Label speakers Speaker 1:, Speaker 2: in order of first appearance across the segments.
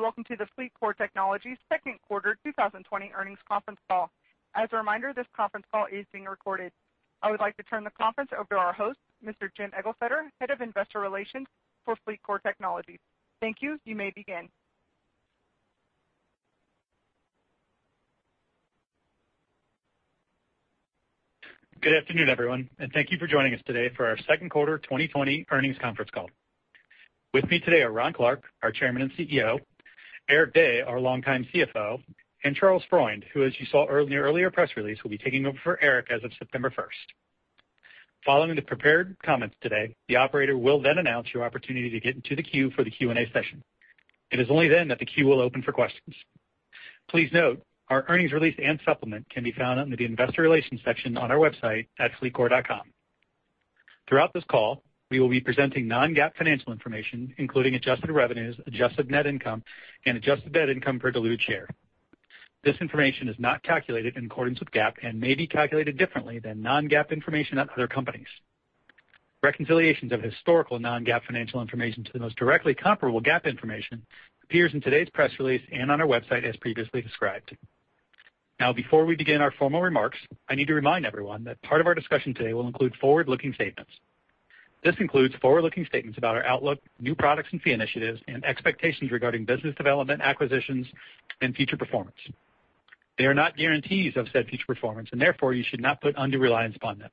Speaker 1: Greetings, welcome to the FleetCor Technologies second quarter 2020 earnings conference call. As a reminder, this conference call is being recorded. I would like to turn the conference over to our host, Mr. Jim Eglseder, Head of Investor Relations for FleetCor Technologies.
Speaker 2: Good afternoon, everyone, and thank you for joining us today for our second quarter 2020 earnings conference call. With me today are Ron Clarke, our Chairman and CEO, Eric Dey, our longtime CFO, and Charles Freund, who as you saw in your earlier press release, will be taking over for Eric as of September 1st. Following the prepared comments today, the operator will then announce your opportunity to get into the queue for the Q&A session. It is only then that the queue will open for questions. Please note, our earnings release and supplement can be found under the Investor Relations section on our website at fleetcor.com. Throughout this call, we will be presenting non-GAAP financial information, including adjusted revenues, adjusted net income, and adjusted net income per diluted share. This information is not calculated in accordance with GAAP and may be calculated differently than non-GAAP information at other companies. Reconciliations of historical non-GAAP financial information to the most directly comparable GAAP information appears in today's press release and on our website as previously described. Now before we begin our formal remarks, I need to remind everyone that part of our discussion today will include forward-looking statements. This includes forward-looking statements about our outlook, new products and fee initiatives, and expectations regarding business development, acquisitions, and future performance. They are not guarantees of said future performance, and therefore, you should not put undue reliance upon them.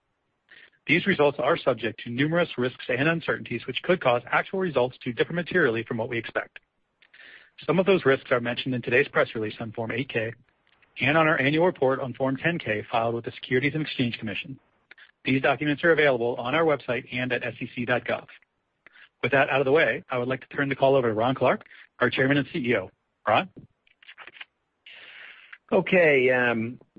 Speaker 2: These results are subject to numerous risks and uncertainties which could cause actual results to differ materially from what we expect. Some of those risks are mentioned in today's press release on Form 8-K and on our Annual Report on Form 10-K filed with the Securities and Exchange Commission. These documents are available on our website and at sec.gov. With that out of the way, I would like to turn the call over to Ron Clarke, our Chairman and CEO. Ron?
Speaker 3: Okay,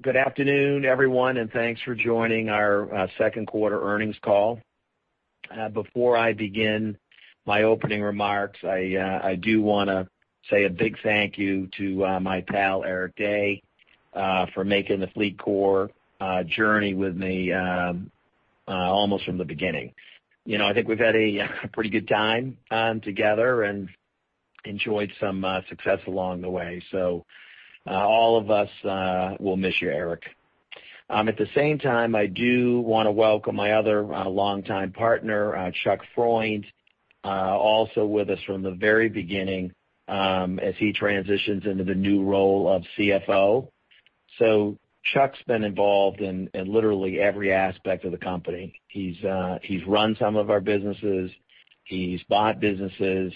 Speaker 3: good afternoon, everyone, and thanks for joining our second quarter earnings call. Before I begin my opening remarks, I do want to say a big thank you to my pal, Eric Dey, for making the FleetCor journey with me almost from the beginning. I think we've had a pretty good time together and enjoyed some success along the way. All of us will miss you, Eric. At the same time, I do want to welcome my other longtime partner, Charles Freund, also with us from the very beginning, as he transitions into the new role of CFO. Charles been involved in literally every aspect of the company. He's run some of our businesses. He's bought businesses.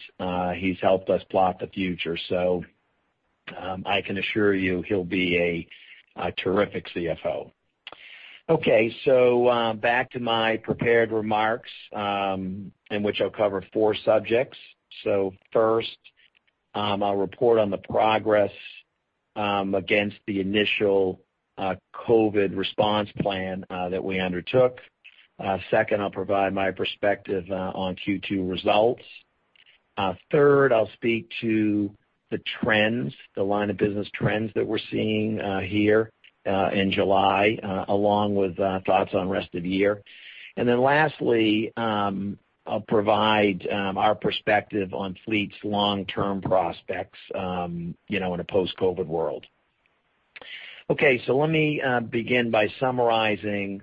Speaker 3: He's helped us plot the future. I can assure you he'll be a terrific CFO. Okay. Back to my prepared remarks, in which I'll cover four subjects. First, I'll report on the progress against the initial COVID response plan that we undertook. Second, I'll provide my perspective on Q2 results. Third, I'll speak to the trends, the line of business trends that we're seeing here in July, along with thoughts on rest of the year. Lastly, I'll provide our perspective on Fleet's long-term prospects in a post-COVID world. Okay. Let me begin by summarizing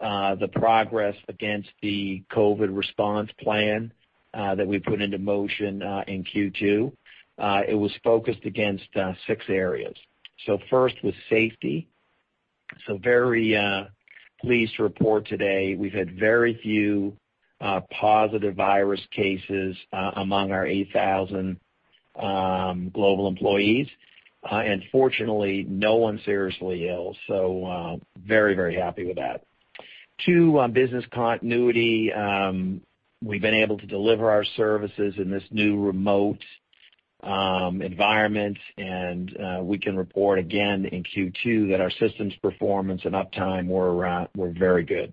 Speaker 3: the progress against the COVID response plan that we put into motion in Q2. It was focused against six areas. First was safety. Very pleased to report today we've had very few positive virus cases among our 8,000 global employees. And fortunately, no one seriously ill. Very happy with that. Two, business continuity. We've been able to deliver our services in this new remote environment, and we can report again in Q2 that our systems performance and uptime were very good.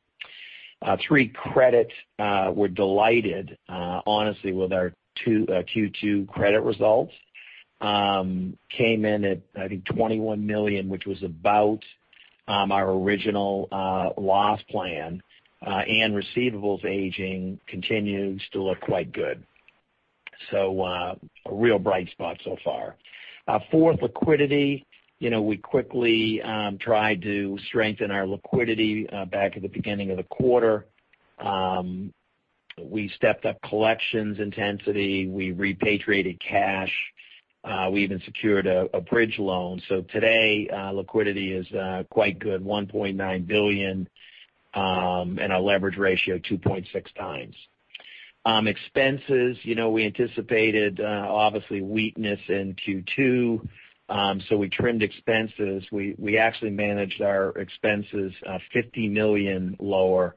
Speaker 3: Three, credit. We're delighted, honestly, with our Q2 credit results. Came in at, I think, $21 million, which was about our original loss plan. Receivables aging continues to look quite good. A real bright spot so far. Fourth, liquidity. We quickly tried to strengthen our liquidity back at the beginning of the quarter. We stepped up collections intensity. We repatriated cash. We even secured a bridge loan. Today, liquidity is quite good, $1.9 billion, and our leverage ratio 2.6 x. Expenses. We anticipated, obviously, weakness in Q2, so we trimmed expenses. We actually managed our expenses $50 million lower,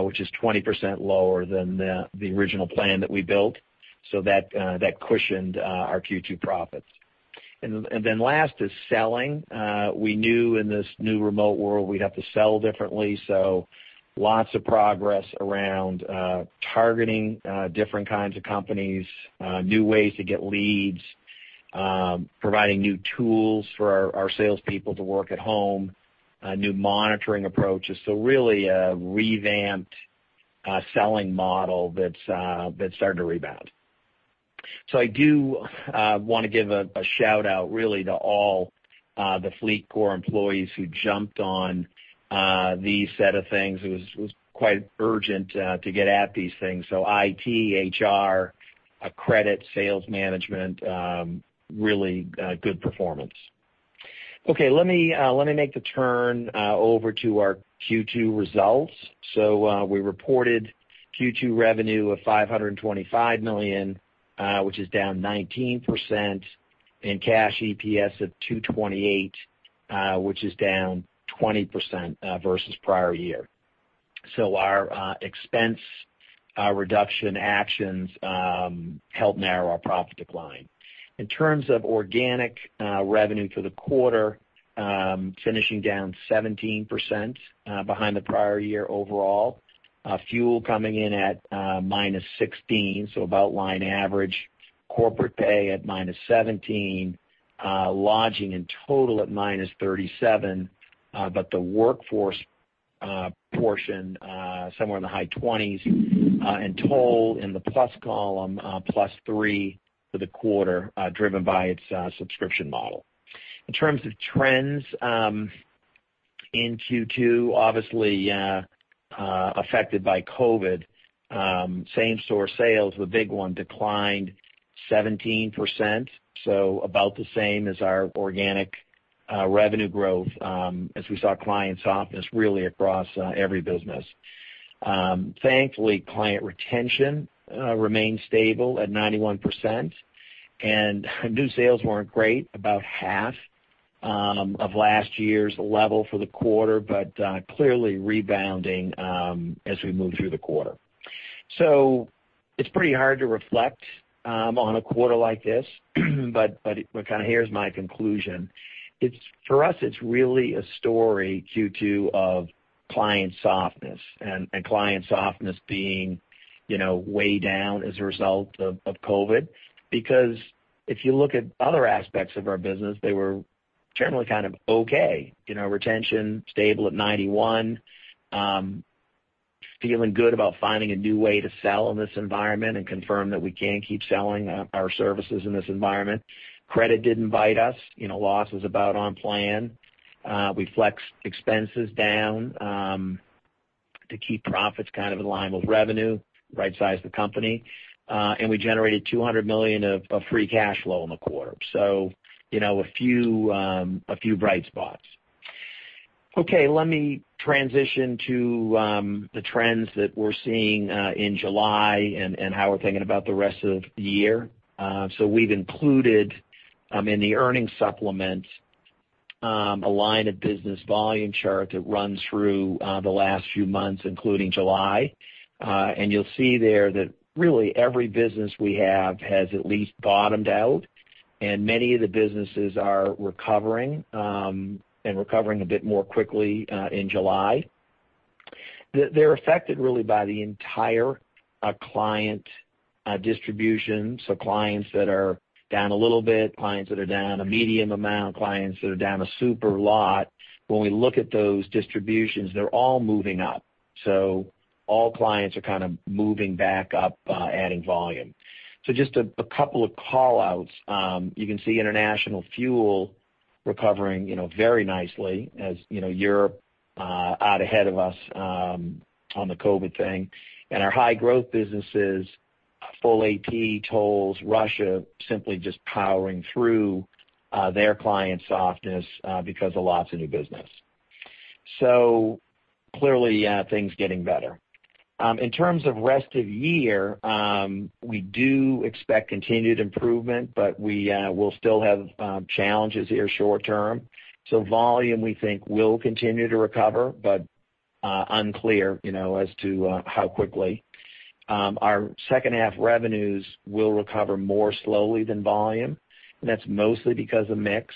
Speaker 3: which is 20% lower than the original plan that we built. That cushioned our Q2 profits. Last is selling. We knew, we have to sell differently. Lots of progress around targeting different kinds of companies, new ways to get leads, providing new tools for our salespeople to work at home, new monitoring approaches. Really a revamped selling model that started to rebound. I do want to give a shout-out really to all the FleetCor employees who jumped on these set of things. It was quite urgent to get at these things. IT, HR, credit, sales management, really good performance. Okay. Let me make the turn over to our Q2 results. We reported Q2 revenue of $525 million, which is down 19%, and cash EPS of $2.28, which is down 20% versus prior year. Our expense reduction actions helped narrow our profit decline. In terms of organic revenue for the quarter, finishing down 17% behind the prior year overall. Fuel coming in at -16%, so about line average. Corporate Payments at -17%. Lodging in total at -37%. The workforce portion somewhere in the high 20s%. Toll in the plus column, +3% for the quarter, driven by its subscription model. In terms of trends in Q2, obviously affected by COVID. Same-store sales, the big one, declined 17%, so about the same as our organic revenue growth as we saw client softness really across every business. Thankfully, client retention remained stable at 91%, and new sales weren't great, about half of last year's level for the quarter, but clearly rebounding as we move through the quarter. It's pretty hard to reflect on a quarter like this, but kind of here's my conclusion. For us, it's really a story, Q2, of client softness, and client softness being way down as a result of COVID. If you look at other aspects of our business, they were generally kind of okay. Retention stable at 91. Feeling good about finding a new way to sell in this environment and confirm that we can keep selling our services in this environment. Credit didn't bite us. Loss is about on plan. We flexed expenses down to keep profits kind of in line with revenue, rightsize the company. We generated $200 million of free cash flow in the quarter. A few bright spots. Okay. Let me transition to the trends that we're seeing in July and how we're thinking about the rest of the year. We've included in the earnings supplement a line of business volume chart that runs through the last few months, including July. You'll see there that really every business we have has at least bottomed out, and many of the businesses are recovering, and recovering a bit more quickly in July. They're affected really by the entire client distribution, so clients that are down a little bit, clients that are down a medium amount, clients that are down a super lot. When we look at those distributions, they're all moving up. All clients are kind of moving back up, adding volume. Just a couple of call-outs. You can see international fuel recovering very nicely as Europe out ahead of us on the COVID thing. Our high growth businesses, Full AP, tolls, Russia, simply just powering through their client softness because of lots of new business. Clearly things getting better. In terms of rest of year, we do expect continued improvement, but we will still have challenges here short-term. Volume we think will continue to recover, but unclear as to how quickly. Our second half revenues will recover more slowly than volume, and that's mostly because of mix.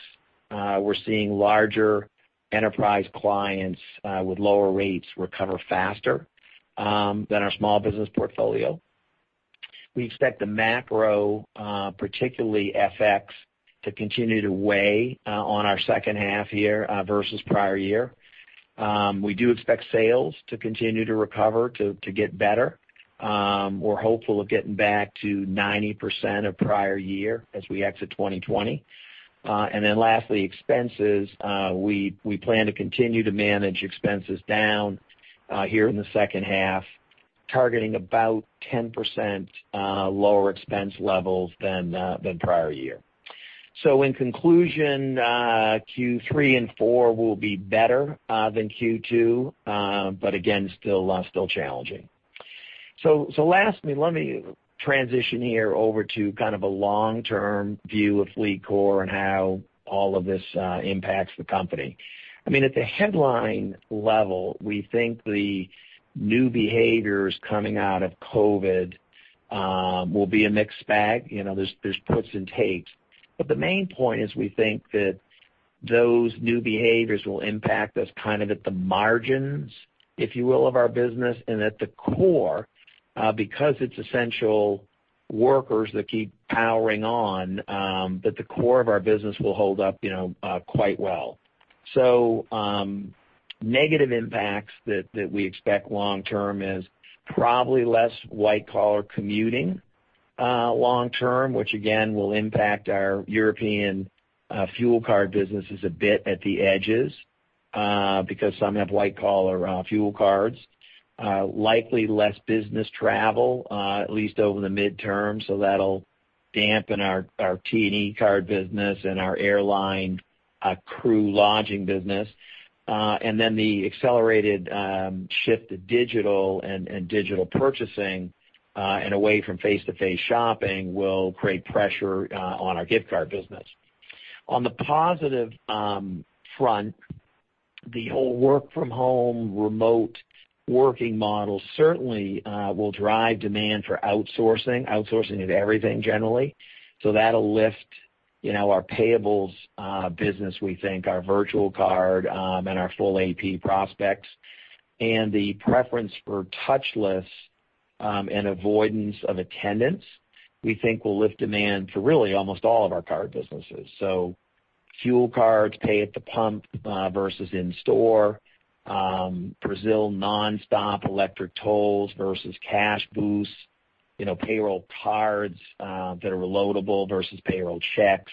Speaker 3: We're seeing larger enterprise clients with lower rates recover faster than our small business portfolio. We expect the macro, particularly FX, to continue to weigh on our second half year versus prior year. We do expect sales to continue to recover, to get better. We're hopeful of getting back to 90% of prior year as we exit 2020. Lastly, expenses. We plan to continue to manage expenses down here in the second half, targeting about 10% lower expense levels than prior year. In conclusion, Q3 and Q4 will be better than Q2, but again, still challenging. Lastly, let me transition here over to kind of a long-term view of FleetCor and how all of this impacts the company. At the headline level, we think the new behaviors coming out of COVID will be a mixed bag. There's puts and takes. The main point is we think that those new behaviors will impact us kind of at the margins, if you will, of our business, and at the core because it's essential workers that keep powering on, that the core of our business will hold up quite well. Negative impacts that we expect long term is probably less white-collar commuting long term, which again, will impact our European fuel card businesses a bit at the edges because some have white-collar fuel cards. Likely less business travel at least over the midterm, so that'll dampen our T&E card business and our airline crew lodging business. The accelerated shift to digital and digital purchasing and away from face-to-face shopping will create pressure on our gift card business. On the positive front, the whole work from home remote working model certainly will drive demand for outsourcing of everything generally. So that'll lift our payables business, we think our virtual card and our Full AP prospects. The preference for touchless and avoidance of attendance, we think will lift demand for really almost all of our card businesses. So fuel cards pay at the pump versus in-store. Brazil nonstop electronic tolls versus cash booths. Payroll cards that are reloadable versus payroll checks.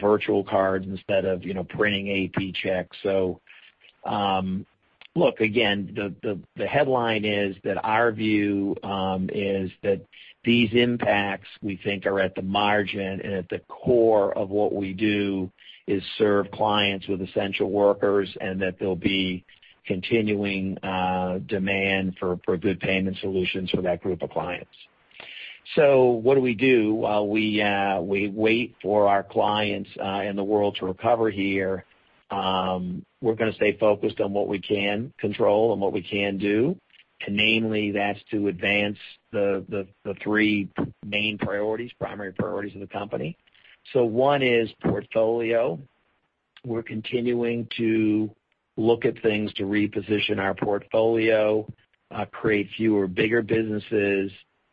Speaker 3: Virtual cards instead of printing AP checks. Look, again, the headline is that our view is that these impacts, we think, are at the margin and at the core of what we do is serve clients with essential workers and that there'll be continuing demand for good payment solutions for that group of clients. What do we do while we wait for our clients and the world to recover here? We're going to stay focused on what we can control and what we can do, and namely, that's to advance the three main priorities, primary priorities of the company. One is portfolio. We're continuing to look at things to reposition our portfolio, create fewer, bigger businesses,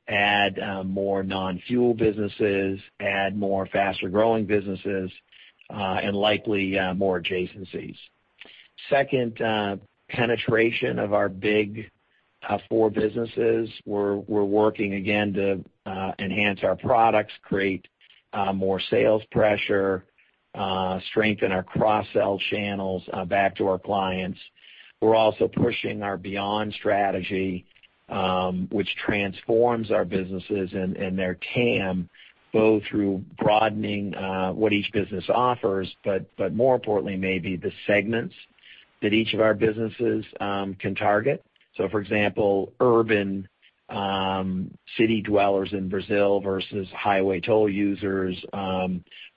Speaker 3: add more non-fuel businesses, add more faster-growing businesses, and likely more adjacencies. Second, penetration of our big four businesses. We're working again to enhance our products, create more sales pressure, strengthen our cross-sell channels back to our clients. We're also pushing our Beyond strategy, which transforms our businesses and their TAM both through broadening what each business offers, but more importantly, maybe the segments that each of our businesses can target. For example, urban city dwellers in Brazil versus highway toll users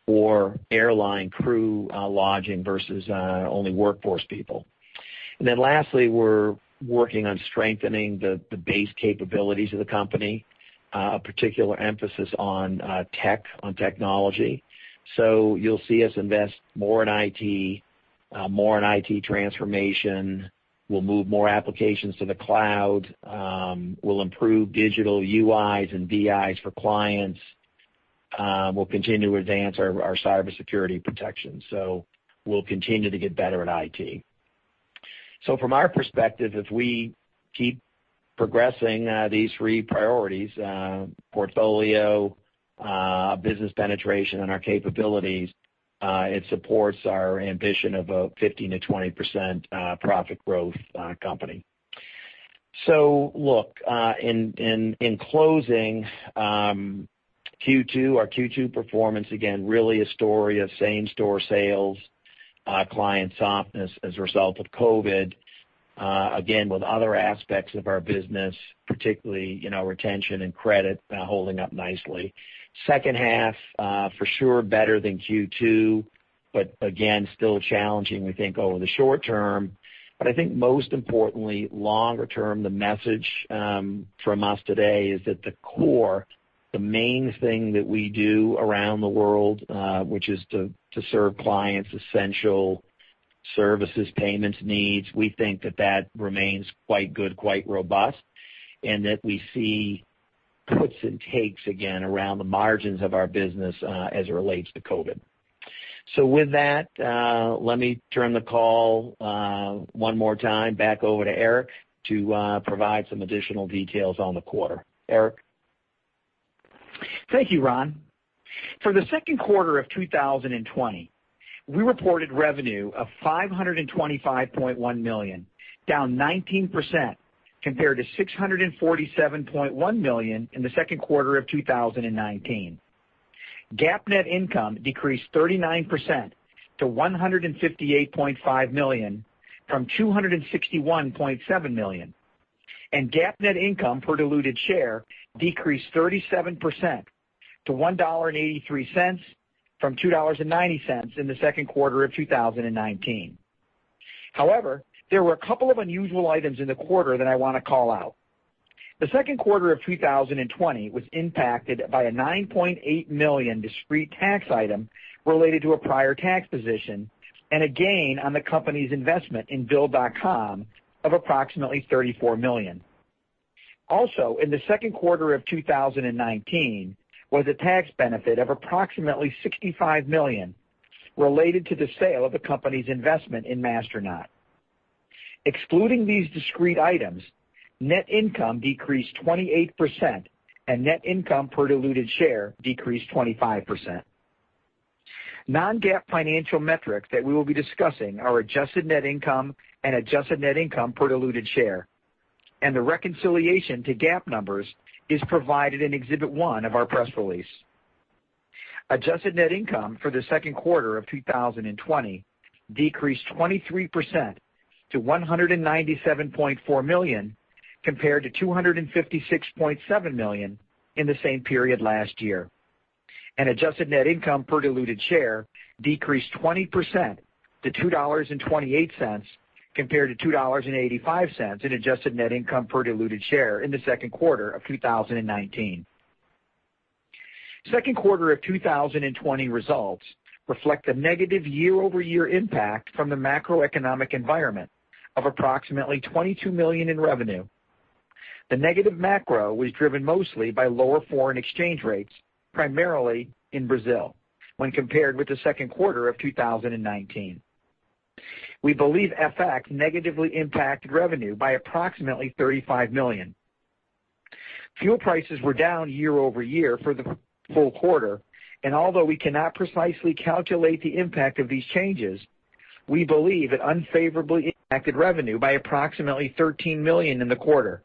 Speaker 3: or airline crew lodging versus only workforce people. Lastly, we're working on strengthening the base capabilities of the company, a particular emphasis on technology. You'll see us invest more in IT, more in IT transformation. We'll move more applications to the cloud. We'll improve digital UIs and BIs for clients. We'll continue to advance our cybersecurity protection. We'll continue to get better at IT. From our perspective, if we keep progressing these three priorities, portfolio, business penetration, and our capabilities it supports our ambition of a 15%-20% profit growth company. Look, in closing Q2, our Q2 performance, again, really a story of same-store sales, client softness as a result of COVID. Again, with other aspects of our business, particularly retention and credit holding up nicely. Second half for sure better than Q2, but again, still challenging, we think, over the short term. I think most importantly, longer term, the message from us today is at the core, the main thing that we do around the world, which is to serve clients essential services, payments needs. We think that that remains quite good, quite robust, and that we see puts and takes again around the margins of our business as it relates to COVID. With that, let me turn the call one more time back over to Eric to provide some additional details on the quarter. Eric?
Speaker 4: Thank you, Ron. For the second quarter of 2020, we reported revenue of $525.1 million, down 19% compared to $647.1 million in the second quarter of 2019. GAAP net income decreased 39% to $158.5 million from $261.7 million. GAAP net income per diluted share decreased 37% to $1.83 from $2.90 in the second quarter of 2019. However, there were a couple of unusual items in the quarter that I want to call out. The second quarter of 2020 was impacted by a $9.8 million discrete tax item related to a prior tax position and a gain on the company's investment in Bill.com of approximately $34 million. In the second quarter of 2019 was a tax benefit of approximately $65 million related to the sale of the company's investment in Masternaut. Excluding these discrete items, net income decreased 28%, and net income per diluted share decreased 25%. Non-GAAP financial metrics that we will be discussing are adjusted net income and adjusted net income per diluted share. The reconciliation to GAAP numbers is provided in Exhibit 1 of our press release. Adjusted net income for the second quarter of 2020 decreased 23% to $197.4 million, compared to $256.7 million in the same period last year. Adjusted net income per diluted share decreased 20% to $2.28, compared to $2.85 in adjusted net income per diluted share in the second quarter of 2019. Second quarter of 2020 results reflect a negative year-over-year impact from the macroeconomic environment of approximately $22 million in revenue. The negative macro was driven mostly by lower foreign exchange rates, primarily in Brazil when compared with the second quarter of 2019. We believe FX negatively impacted revenue by approximately $35 million. Fuel prices were down year-over-year for the full quarter, although we cannot precisely calculate the impact of these changes, we believe it unfavorably impacted revenue by approximately $13 million in the quarter.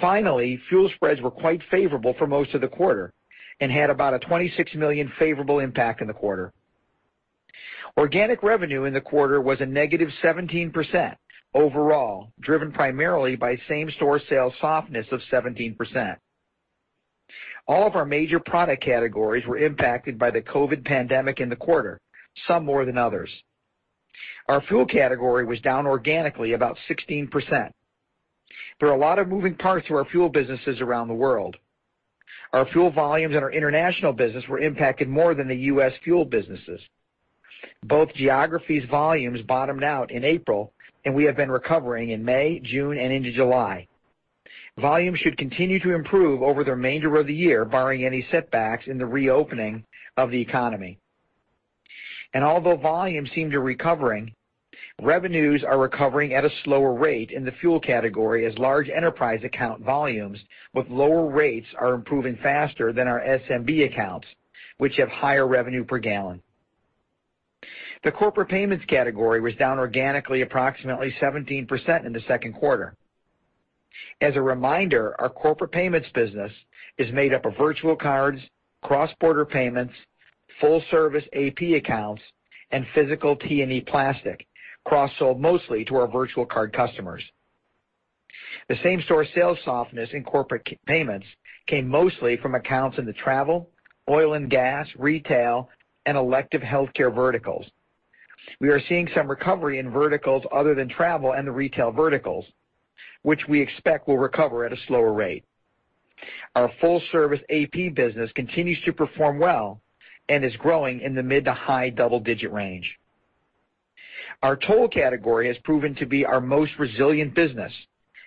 Speaker 4: Finally, fuel spreads were quite favorable for most of the quarter and had about a $26 million favorable impact in the quarter. Organic revenue in the quarter was a -17% overall, driven primarily by same-store sales softness of 17%. All of our major product categories were impacted by the COVID pandemic in the quarter, some more than others. Our fuel category was down organically about 16%. There are a lot of moving parts to our fuel businesses around the world. Our fuel volumes in our international business were impacted more than the U.S. fuel businesses. Both geographies volumes bottomed out in April, and we have been recovering in May, June, and into July. Volumes should continue to improve over the remainder of the year, barring any setbacks in the reopening of the economy. Although volumes seem to recovering, revenues are recovering at a slower rate in the fuel category as large enterprise account volumes with lower rates are improving faster than our SMB accounts, which have higher revenue per gallon. The Corporate Payments category was down organically approximately 17% in the second quarter. As a reminder, our Corporate Payments business is made up of virtual cards, cross-border payments, full-service AP accounts, and physical T&E plastic cross-sold mostly to our virtual card customers. The same-store sales softness in Corporate Payments came mostly from accounts in the travel, oil and gas, retail, and elective healthcare verticals. We are seeing some recovery in verticals other than travel and the retail verticals, which we expect will recover at a slower rate. Our full-service AP business continues to perform well and is growing in the mid to high double-digit range. Our toll category has proven to be our most resilient business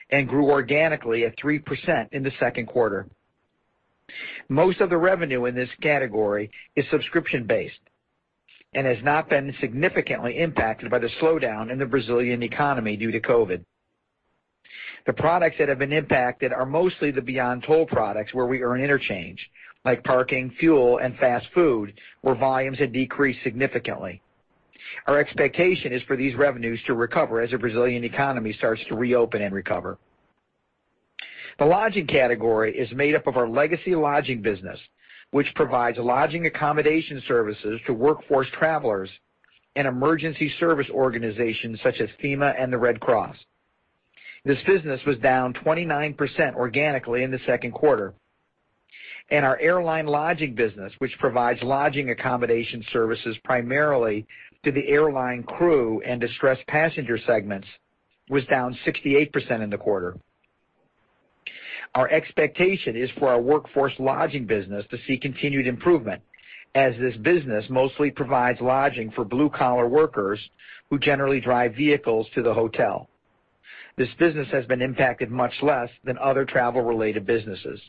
Speaker 4: and grew organically at 3% in the second quarter. Most of the revenue in this category is subscription-based and has not been significantly impacted by the slowdown in the Brazilian economy due to COVID. The products that have been impacted are mostly the beyond toll products where we earn interchange, like parking, fuel, and fast food, where volumes have decreased significantly. Our expectation is for these revenues to recover as the Brazilian economy starts to reopen and recover. The lodging category is made up of our legacy lodging business, which provides lodging accommodation services to workforce travelers and emergency service organizations such as FEMA and the American Red Cross. This business was down 29% organically in the second quarter. Our airline lodging business, which provides lodging accommodation services primarily to the airline crew and distressed passenger segments, was down 68% in the quarter. Our expectation is for our workforce lodging business to see continued improvement as this business mostly provides lodging for blue-collar workers who generally drive vehicles to the hotel. This business has been impacted much less than other travel-related businesses.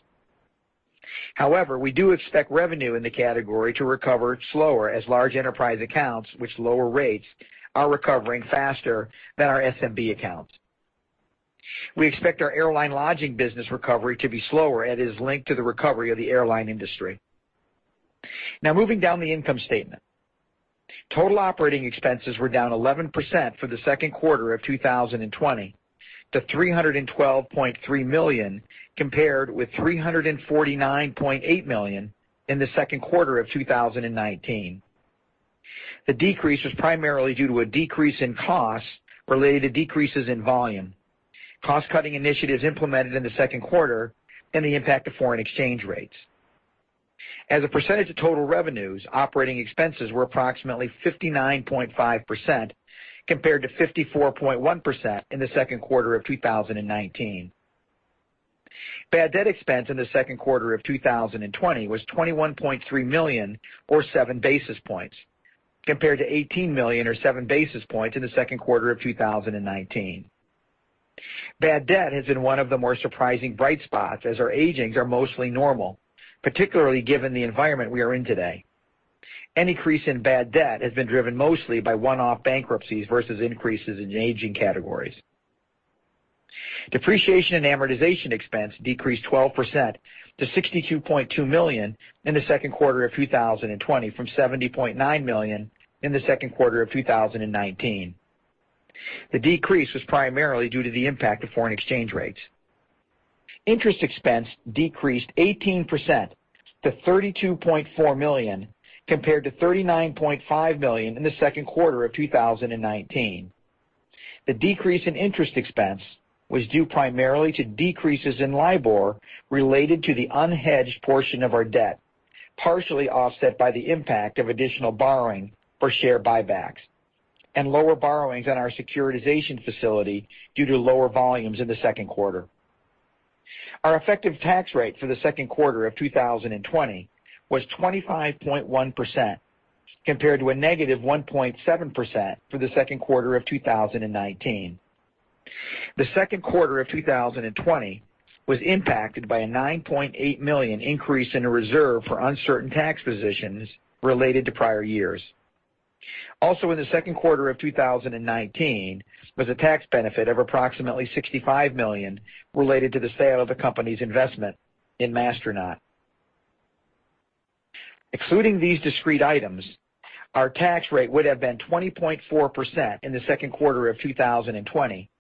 Speaker 4: We do expect revenue in the category to recover slower as large enterprise accounts with lower rates are recovering faster than our SMB accounts. We expect our airline lodging business recovery to be slower as it is linked to the recovery of the airline industry. Moving down the income statement. Total operating expenses were down 11% for the second quarter of 2020 to $312.3 million, compared with $349.8 million in the second quarter of 2019. The decrease was primarily due to a decrease in costs related to decreases in volume, cost-cutting initiatives implemented in the second quarter, and the impact of foreign exchange rates. As a percentage of total revenues, operating expenses were approximately 59.5% compared to 54.1% in the second quarter of 2019. Bad debt expense in the second quarter of 2020 was $21.3 million or seven basis points. Compared to $18 million or seven basis points in the second quarter of 2019. Bad debt has been one of the more surprising bright spots as our agings are mostly normal, particularly given the environment we are in today. Any increase in bad debt has been driven mostly by one-off bankruptcies versus increases in aging categories. Depreciation and amortization expense decreased 12% to $62.2 million in the second quarter of 2020 from $70.9 million in the second quarter of 2019. The decrease was primarily due to the impact of foreign exchange rates. Interest expense decreased 18% to $32.4 million, compared to $39.5 million in the second quarter of 2019. The decrease in interest expense was due primarily to decreases in LIBOR related to the unhedged portion of our debt, partially offset by the impact of additional borrowing for share buybacks and lower borrowings on our securitization facility due to lower volumes in the second quarter. Our effective tax rate for the second quarter of 2020 was 25.1%, compared to a -1.7% for the second quarter of 2019. The second quarter of 2020 was impacted by a $9.8 million increase in the reserve for uncertain tax positions related to prior years. Also in the second quarter of 2019 was a tax benefit of approximately $65 million related to the sale of the company's investment in Masternaut. Excluding these discrete items, our tax rate would have been 20.4% in the second quarter of 2020,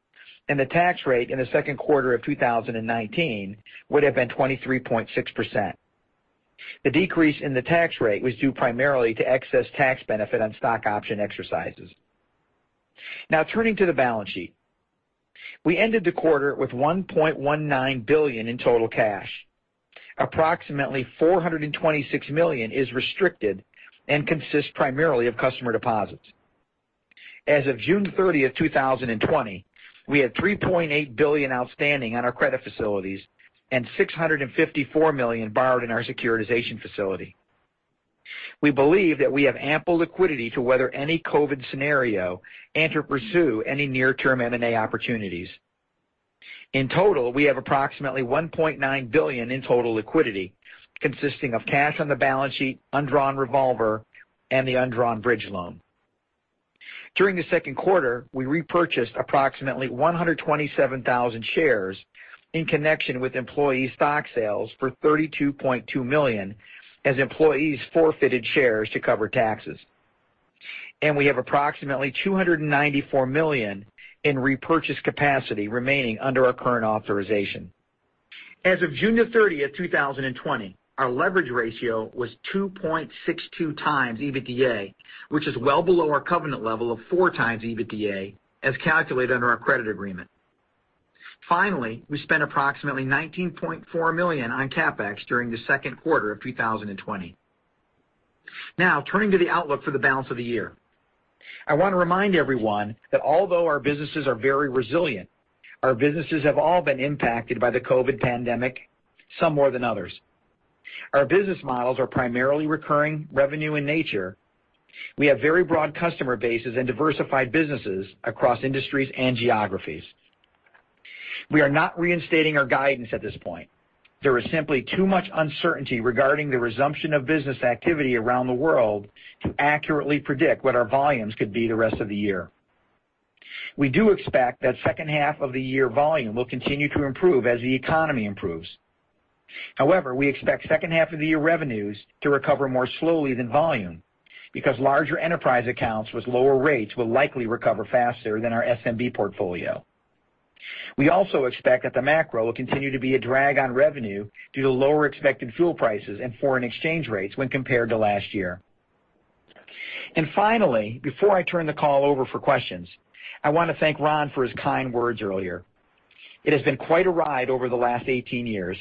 Speaker 4: and the tax rate in the second quarter of 2019 would have been 23.6%. The decrease in the tax rate was due primarily to excess tax benefit on stock option exercises. Turning to the balance sheet. We ended the quarter with $1.19 billion in total cash. Approximately $426 million is restricted and consists primarily of customer deposits. As of June 30th, 2020, we had $3.8 billion outstanding on our credit facilities and $654 million borrowed in our securitization facility. We believe that we have ample liquidity to weather any COVID scenario and to pursue any near-term M&A opportunities. In total, we have approximately $1.9 billion in total liquidity consisting of cash on the balance sheet, undrawn revolver, and the undrawn bridge loan. During the second quarter, we repurchased approximately 127,000 shares in connection with employee stock sales for $32.2 million as employees forfeited shares to cover taxes. We have approximately $294 million in repurchase capacity remaining under our current authorization. As of June 30th, 2020, our leverage ratio was 2.62 x EBITDA, which is well below our covenant level of four times EBITDA as calculated under our credit agreement. Finally, we spent approximately $19.4 million on CapEx during the second quarter of 2020. Now turning to the outlook for the balance of the year. I want to remind everyone that although our businesses are very resilient, our businesses have all been impacted by the COVID pandemic, some more than others. Our business models are primarily recurring revenue in nature. We have very broad customer bases and diversified businesses across industries and geographies. We are not reinstating our guidance at this point. There is simply too much uncertainty regarding the resumption of business activity around the world to accurately predict what our volumes could be the rest of the year. We do expect that second half of the year volume will continue to improve as the economy improves. However, we expect second half of the year revenues to recover more slowly than volume, because larger enterprise accounts with lower rates will likely recover faster than our SMB portfolio. We also expect that the macro will continue to be a drag on revenue due to lower expected fuel prices and foreign exchange rates when compared to last year. Finally, before I turn the call over for questions, I want to thank Ron for his kind words earlier. It has been quite a ride over the last 18 years.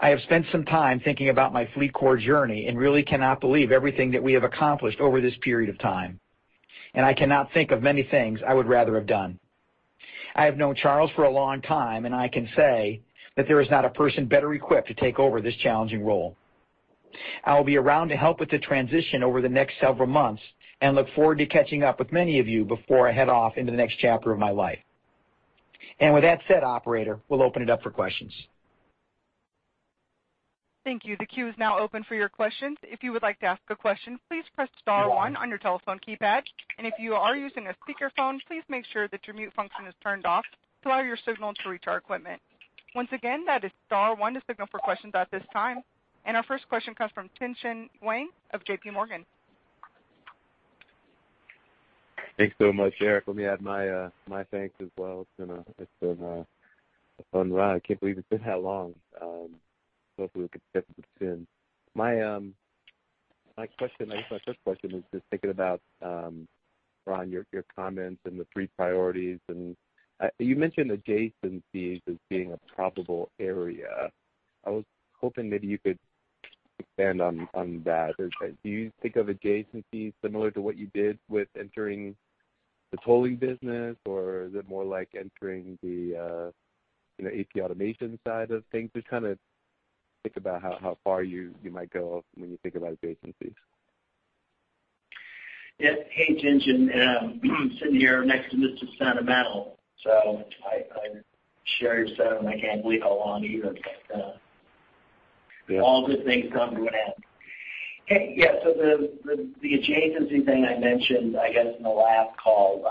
Speaker 4: I have spent some time thinking about my FleetCor journey and really cannot believe everything that we have accomplished over this period of time. I cannot think of many things I would rather have done. I have known Charles for a long time, and I can say that there is not a person better equipped to take over this challenging role. I will be around to help with the transition over the next several months and look forward to catching up with many of you before I head off into the next chapter of my life. With that said, operator, we'll open it up for questions.
Speaker 1: Thank you. The queue is now open for your questions. If you would like to ask a question, please press star one on your telephone keypad. If you are using a speakerphone, please make sure that your mute function is turned off to allow your signal to reach our equipment. Once again, that is star one to signal for questions at this time. Our first question comes from Tien-Tsin Huang of J.P. Morgan.
Speaker 5: Thanks so much, Eric. Let me add my thanks as well. It's been a fun ride. I can't believe it's been that long. Hopefully we can get together soon. My first question is just thinking about, Ron, your comments and the three priorities. You mentioned adjacencies as being a probable area. I was hoping maybe you could expand on that. Do you think of adjacencies similar to what you did with entering the tolling business, or is it more like entering the AP automation side of things? Think about how far you might go when you think about adjacencies.
Speaker 3: Hey, Tien-Tsin. I'm sitting here next to Mr. Charles Freund. I share your sentiment. I can't believe how long either. All good things come to an end. The adjacency thing I mentioned, I guess, on the last call.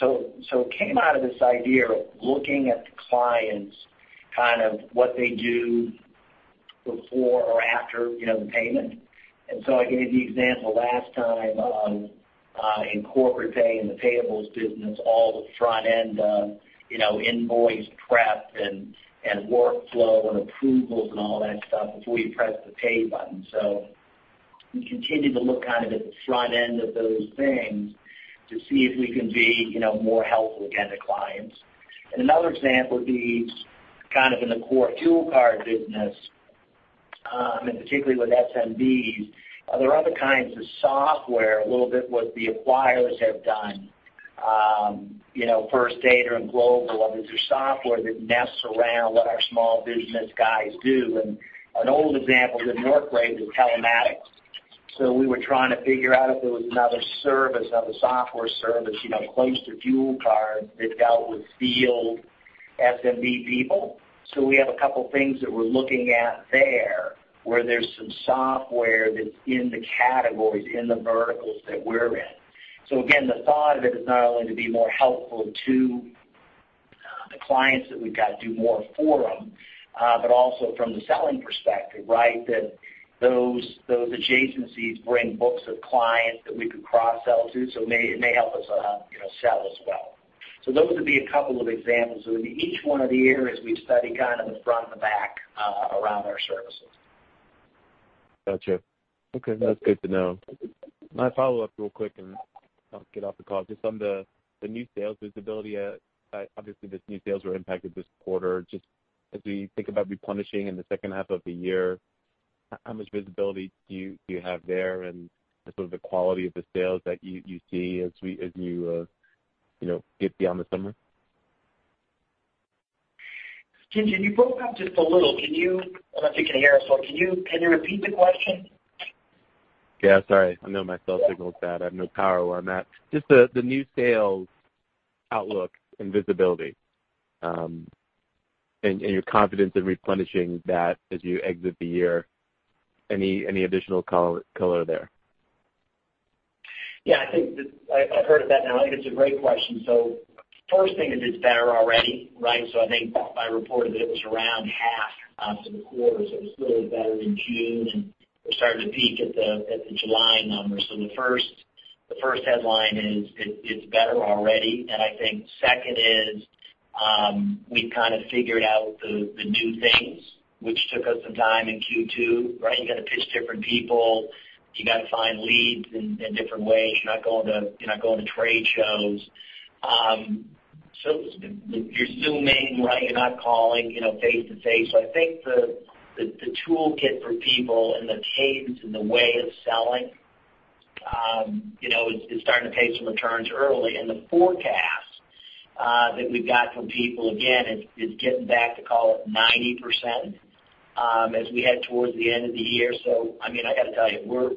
Speaker 3: It came out of this idea of looking at the clients, kind of what they do before or after the payment. I gave the example last time, in Corporate Payments, in the payables business, all the front end, invoice prep and workflow and approvals and all that stuff before you press the pay button. We continue to look kind of at the front end of those things to see if we can be more helpful again to clients. Another example would be kind of in the core fuel card business, particularly with SMBs. There are other kinds of software, a little bit what the acquirers have done. First Data and Global, these are software that nests around what our small business guys do, and an old example is in NexTraq is telematics. We were trying to figure out if there was another service, another software service close to fuel card that dealt with field SMB people. We have a couple things that we're looking at there where there's some software that's in the categories, in the verticals that we're in. Again, the thought of it is not only to be more helpful to the clients that we've got to do more for them, but also from the selling perspective, right? Those adjacencies bring books of clients that we could cross-sell to, it may help us sell as well. Those would be a couple of examples. In each one of the areas we study kind of the front and the back around our services.
Speaker 5: Got you. Okay. That's good to know. My follow-up real quick, and I'll get off the call. Just on the new sales visibility, obviously, this new sales were impacted this quarter. Just as we think about replenishing in the second half of the year, how much visibility do you have there, and sort of the quality of the sales that you see as we get beyond the summer?
Speaker 3: Tien-Tsin, you broke up just a little. I don't know if you can hear us. Can you repeat the question?
Speaker 5: Yeah, sorry. I know my cell signal's bad. I have no power where I'm at. Just the new sales outlook and visibility, and your confidence in replenishing that as you exit the year. Any additional color there?
Speaker 3: Yeah. I've heard of that now. I think it's a great question. First thing is it's better already, right? I think I reported that it was around half for the quarter, it was clearly better in June, we're starting to peak at the July numbers. The first headline is it's better already. I think second is we've kind of figured out the new things which took us some time in Q2, right? You got to pitch different people. You got to find leads in different ways. You're not going to trade shows. You're Zooming, right? You're not calling face to face. I think the toolkit for people and the cadence and the way of selling is starting to pay some returns early. The forecast that we've got from people, again, is getting back to call it 90% as we head towards the end of the year. I got to tell you, we're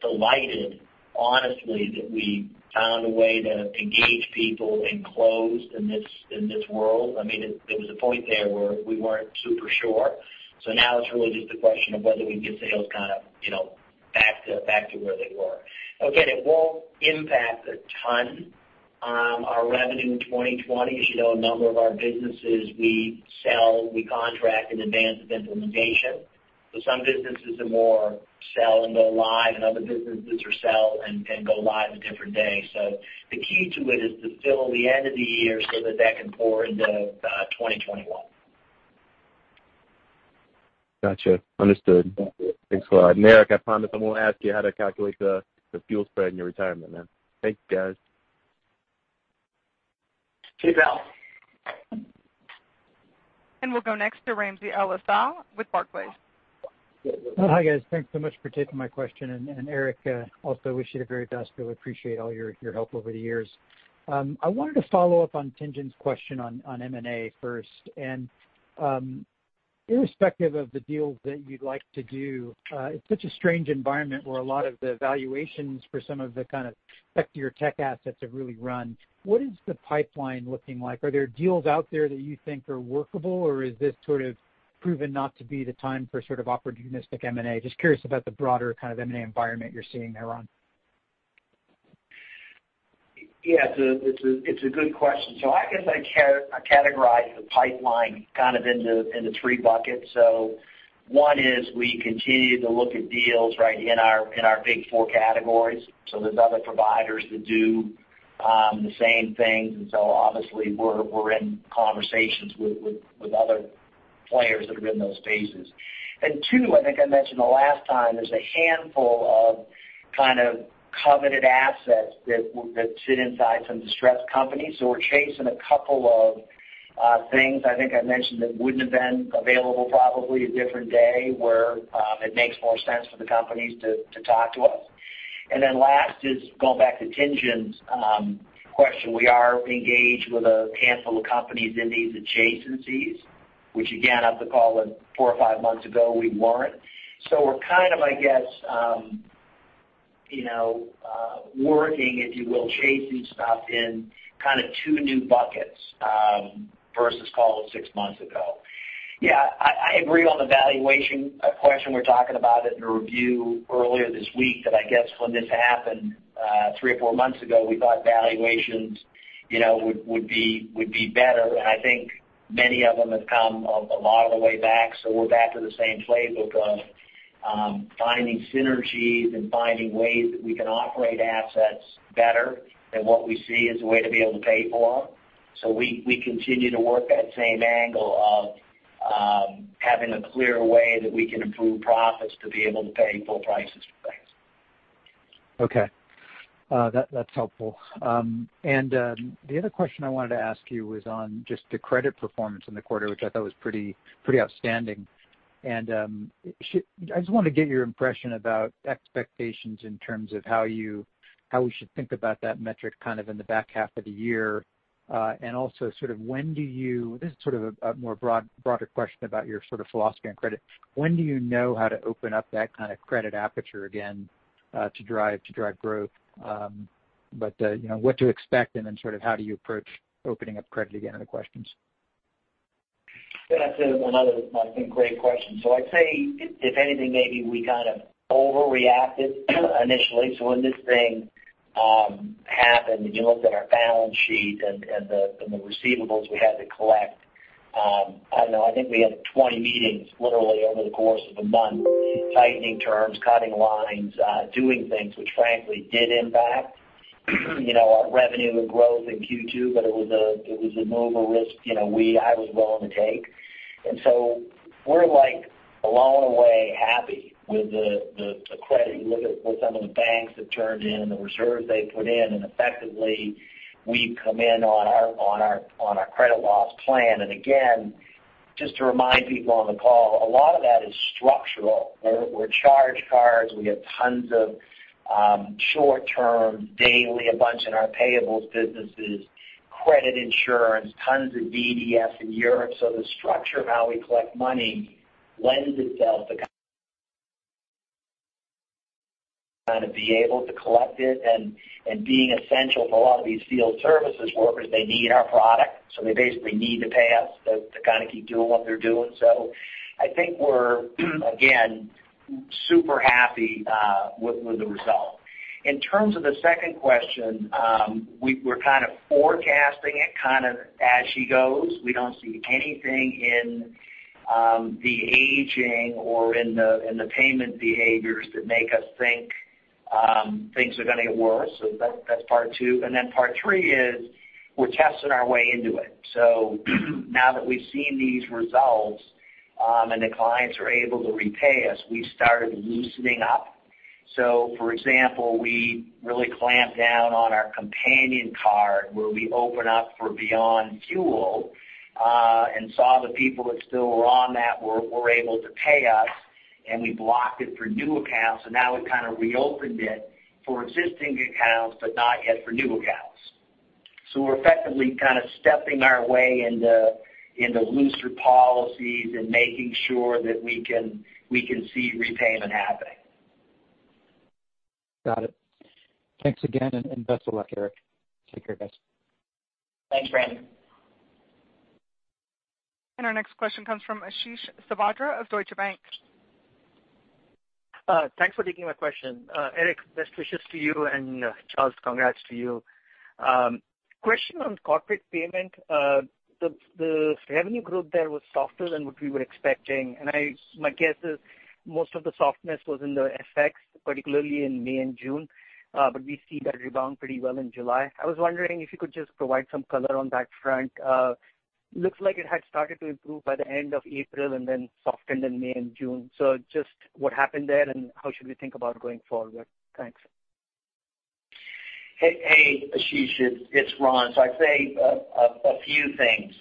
Speaker 3: delighted, honestly, that we found a way to engage people and close in this world. There was a point there where we weren't super sure. Now it's really just a question of whether we can get sales kind of back to where they were. Again, it won't impact a ton our revenue in 2020. As you know, a number of our businesses we sell, we contract in advance of implementation. Some businesses are more sell and go live, and other businesses are sell and go live a different day. The key to it is to fill the end of the year so that that can pour into 2021.
Speaker 5: Got you. Understood.
Speaker 3: Thank you.
Speaker 5: Thanks a lot. Eric, I promise I won't ask you how to calculate the fuel spread in your retirement, man. Thank you, guys.
Speaker 4: Peace out.
Speaker 1: We'll go next to Ramsey El-Assal with Barclays.
Speaker 6: Hi, guys. Thanks so much for taking my question. Eric, also wish you the very best. Really appreciate all your help over the years. I wanted to follow up on Tien-Tsin's question on M&A first. Irrespective of the deals that you'd like to do, it's such a strange environment where a lot of the valuations for some of the kind of sector tech assets have really run. What is the pipeline looking like? Are there deals out there that you think are workable, or is this sort of proven not to be the time for sort of opportunistic M&A? Just curious about the broader kind of M&A environment you're seeing there, Ron.
Speaker 3: It's a good question. I guess I categorize the pipeline kind of into three buckets. One is we continue to look at deals right in our big four categories. There's other providers that do the same things, obviously we're in conversations with other players that are in those spaces. Two, I think I mentioned the last time, there's a handful of kind of coveted assets that sit inside some distressed companies. We're chasing a couple of things I think I mentioned that wouldn't have been available probably a different day where it makes more sense for the companies to talk to us. Last is going back to Tien-Tsin's question, we are engaged with a handful of companies in these adjacencies, which again, up to call it four or five months ago, we weren't. We're kind of, I guess, working, if you will, chasing stuff in kind of two new buckets versus call it six months ago. I agree on the valuation question. We were talking about it in a review earlier this week, that I guess when this happened three or four months ago, we thought valuations would be better. I think many of them have come a lot of the way back. We're back to the same playbook of finding synergies and finding ways that we can operate assets better than what we see as a way to be able to pay for them. We continue to work that same angle of having a clear way that we can improve profits to be able to pay full prices for things.
Speaker 6: Okay. That's helpful. The other question I wanted to ask you was on just the credit performance in the quarter, which I thought was pretty outstanding. I just wanted to get your impression about expectations in terms of how we should think about that metric kind of in the back half of the year. Also sort of, this is sort of a more broader question about your sort of philosophy on credit. When do you know how to open up that kind of credit aperture again to drive growth? What to expect and then sort of how do you approach opening up credit again are the questions.
Speaker 3: That's another, I think, great question. I'd say if anything, maybe we kind of overreacted initially. When this thing happened, and you look at our balance sheet and the receivables we had to collect, I don't know, I think we had 20 meetings literally over the course of a month, tightening terms, cutting lines, doing things which frankly did impact our revenue and growth in Q2, but it was an over risk I was willing to take. We're like a long way happy with the credit. You look at what some of the banks have turned in and the reserves they've put in, and effectively we've come in on our credit loss plan. Again, just to remind people on the call, a lot of that is structural. We're charge cards. We have tons of short term daily, a bunch in our payables businesses, credit insurance, tons of DDs in Europe. The structure of how we collect money lends itself to kind of be able to collect it and being essential for a lot of these field services workers. They need our product, they basically need to pay us to kind of keep doing what they're doing. I think we're, again, super happy with the result. In terms of the second question, we're kind of forecasting it kind of as she goes. We don't see anything in the aging or in the payment behaviors that make us think things are going to get worse. That's part two. Then part three is we're testing our way into it. Now that we've seen these results, and the clients are able to repay us, we've started loosening up. For example, we really clamped down on our companion card where we open up for Beyond Fuel, and saw the people that still were on that were able to pay us, and we blocked it for new accounts. Now we kind of reopened it for existing accounts, but not yet for new accounts. We're effectively kind of stepping our way into looser policies and making sure that we can see repayment happening.
Speaker 6: Got it. Thanks again and best of luck, Eric. Take care, guys.
Speaker 4: Thanks, Brandon.
Speaker 1: Our next question comes from Ashish Sabadra of Deutsche Bank.
Speaker 7: Thanks for taking my question. Eric, best wishes to you, and Charles, congrats to you. Question on Corporate Payments. The revenue growth there was softer than what we were expecting, and my guess is most of the softness was in the FX, particularly in May and June. We see that rebound pretty well in July. I was wondering if you could just provide some color on that front. Looks like it had started to improve by the end of April and then softened in May and June. Just what happened there, and how should we think about going forward? Thanks.
Speaker 3: Hey, Ashish, it's Ron. I'd say a few things.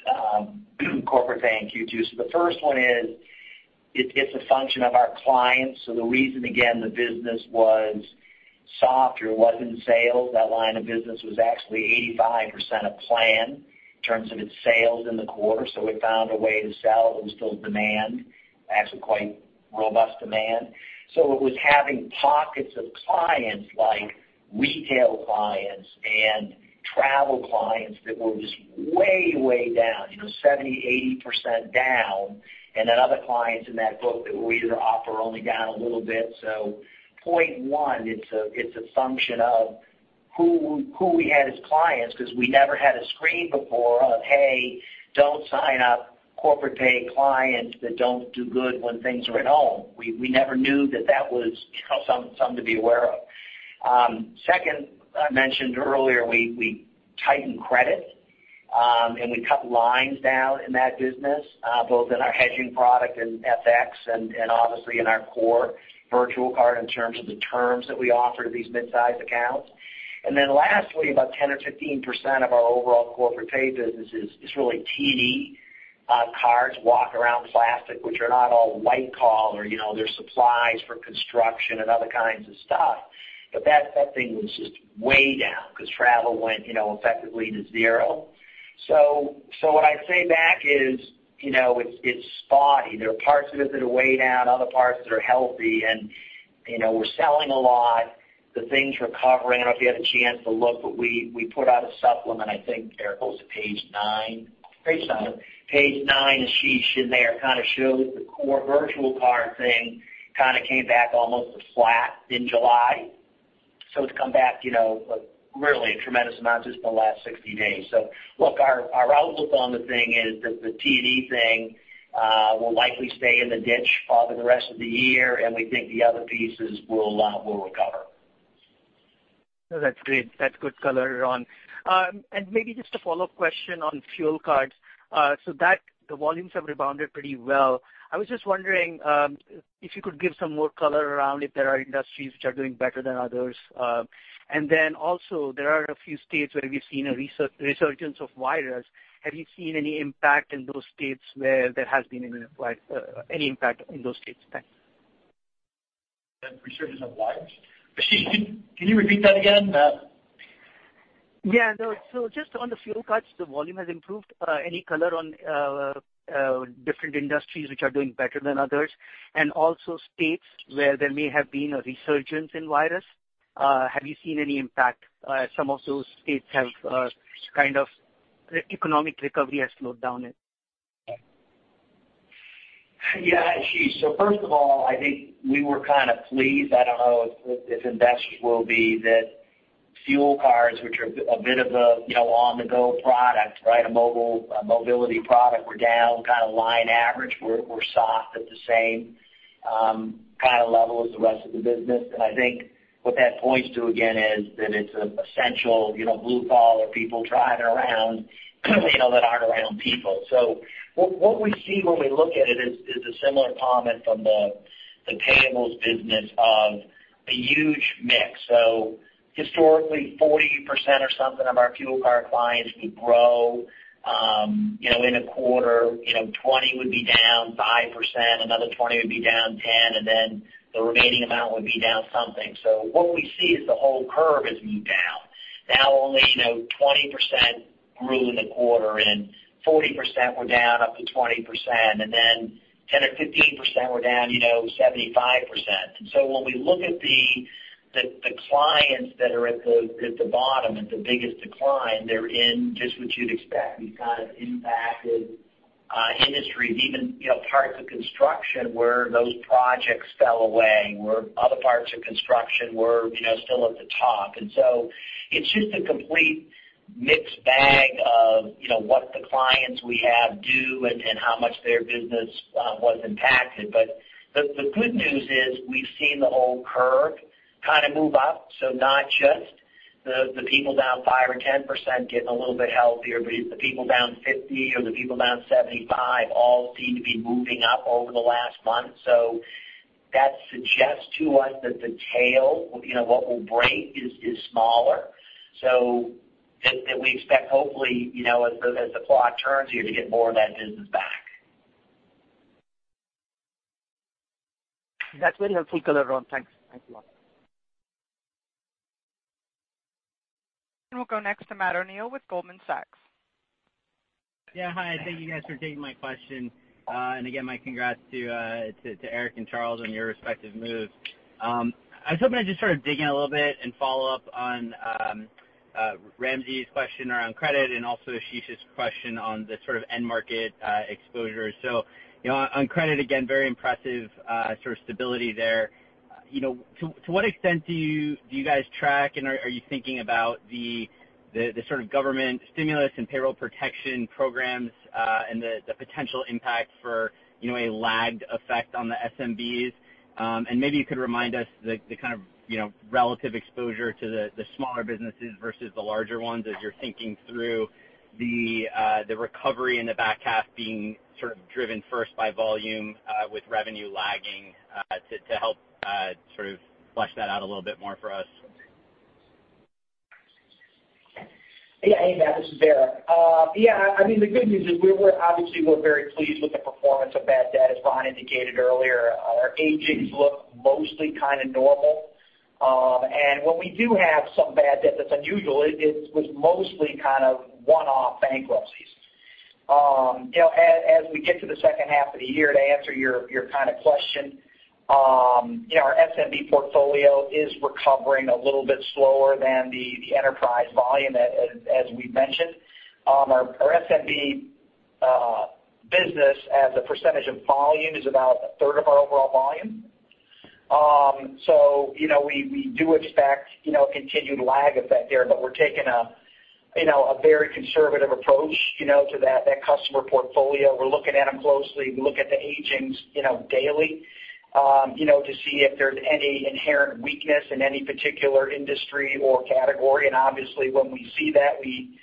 Speaker 3: Corporate Payments, Q2. The first one is it's a function of our clients. The reason, again, the business was softer wasn't sales. That line of business was actually 85% of plan in terms of its sales in the quarter. We found a way to sell. There was still demand, actually quite robust demand. It was having pockets of clients like retail clients and travel clients that were just way down, 70%-80% down. Other clients in that book that were either off or only down a little bit. Point 1, it's a function of who we had as clients because we never had a screen before of, "Hey, don't sign up Corporate Payments clients that don't do good when things are at home." We never knew that that was something to be aware of. Second, I mentioned earlier we tightened credit, and we cut lines down in that business, both in our hedging product and FX and obviously in our core virtual card in terms of the terms that we offer to these mid-size accounts. Lastly, about 10% or 15% of our overall Corporate Payments business is really T&E cards, walk-around plastic, which are not all white collar, they're supplies for construction and other kinds of stuff. That thing was just way down because travel went effectively to zero. What I'd say back is it's spotty. There are parts of it that are way down, other parts that are healthy, and we're selling a lot. The thing's recovering. I don't know if you had a chance to look, but we put out a supplement, I think, Eric, it was page nine.
Speaker 4: Page nine.
Speaker 3: Page nine, Ashish, in there kind of shows the core virtual card thing kind of came back almost flat in July. It's come back really a tremendous amount just in the last 60 days. Look, our outlook on the thing is that the T&E thing will likely stay in the ditch for the rest of the year, and we think the other pieces will recover.
Speaker 7: No, that's great. That's good color, Ron. Maybe just a follow-up question on fuel cards. The volumes have rebounded pretty well. I was just wondering if you could give some more color around if there are industries which are doing better than others. Also, there are a few states where we've seen a resurgence of COVID. Have you seen any impact in those states? Thanks.
Speaker 3: That resurgence of virus? Ashish, can you repeat that again?
Speaker 7: Yeah. Just on the fuel cards, the volume has improved. Any color on different industries which are doing better than others, and also states where there may have been a resurgence in virus? Have you seen any impact, some of those states have kind of economic recovery has slowed down in?
Speaker 3: Ashish. First of all, I think we were kind of pleased. I don't know if investors will be that fuel cards, which are a bit of a on-the-go product, a mobility product, were down kind of line average. We're soft at the same kind of level as the rest of the business. I think what that points to again is that it's an essential blue collar people driving around that aren't around people. What we see when we look at it is a similar comment from the telematics business of a huge mix. Historically, 40% or something of our fuel card clients would grow in a quarter, 20 would be down 5%, another 20 would be down 10, and then the remaining amount would be down something. What we see is the whole curve has moved down. Now only 20% grew in the quarter, and 40% were down up to 20%, and then 10% or 15% were down 75%. When we look at the clients that are at the bottom, at the biggest decline, they're in just what you'd expect. We've got impacted industries, even parts of construction where those projects fell away, where other parts of construction were still at the top. It's just a complete mixed bag of what the clients we have do and how much their business was impacted. The good news is we've seen the whole curve kind of move up. Not just the people down 5% or 10% getting a little bit healthier, but it's the people down 50% or the people down 75% all seem to be moving up over the last month. That suggests to us that the tail, what will break, is smaller. That we expect hopefully as the plot turns here to get more of that business back.
Speaker 7: That's very helpful color, Ron. Thanks a lot.
Speaker 1: We'll go next to Matt O'Neill with Goldman Sachs.
Speaker 8: Hi. Thank you guys for taking my question. Again, my congrats to Eric and Charles on your respective moves. I was hoping to just sort of dig in a little bit and follow up on Ramsey's question around credit and also Ashish's question on the sort of end market exposure. On credit, again, very impressive sort of stability there. To what extent do you guys track and are you thinking about the sort of government stimulus and payroll protection programs, and the potential impact for a lagged effect on the SMBs? Maybe you could remind us the kind of relative exposure to the smaller businesses versus the larger ones as you're thinking through the recovery in the back half being sort of driven first by volume with revenue lagging to help sort of flesh that out a little bit more for us.
Speaker 4: Hey, Matt, this is Eric. The good news is we're obviously very pleased with the performance of bad debt, as Ron indicated earlier. Our agings look mostly normal. When we do have some bad debt that's unusual, it was mostly one-off bankruptcies. As we get to the second half of the year, to answer your question, our SMB portfolio is recovering a little bit slower than the enterprise volume, as we've mentioned. Our SMB business as a percentage of volume is about 1/3 of our overall volume. We do expect a continued lag effect there, but we're taking a very conservative approach to that customer portfolio. We're looking at them closely. We look at the agings daily to see if there's any inherent weakness in any particular industry or category. Obviously when we see that, we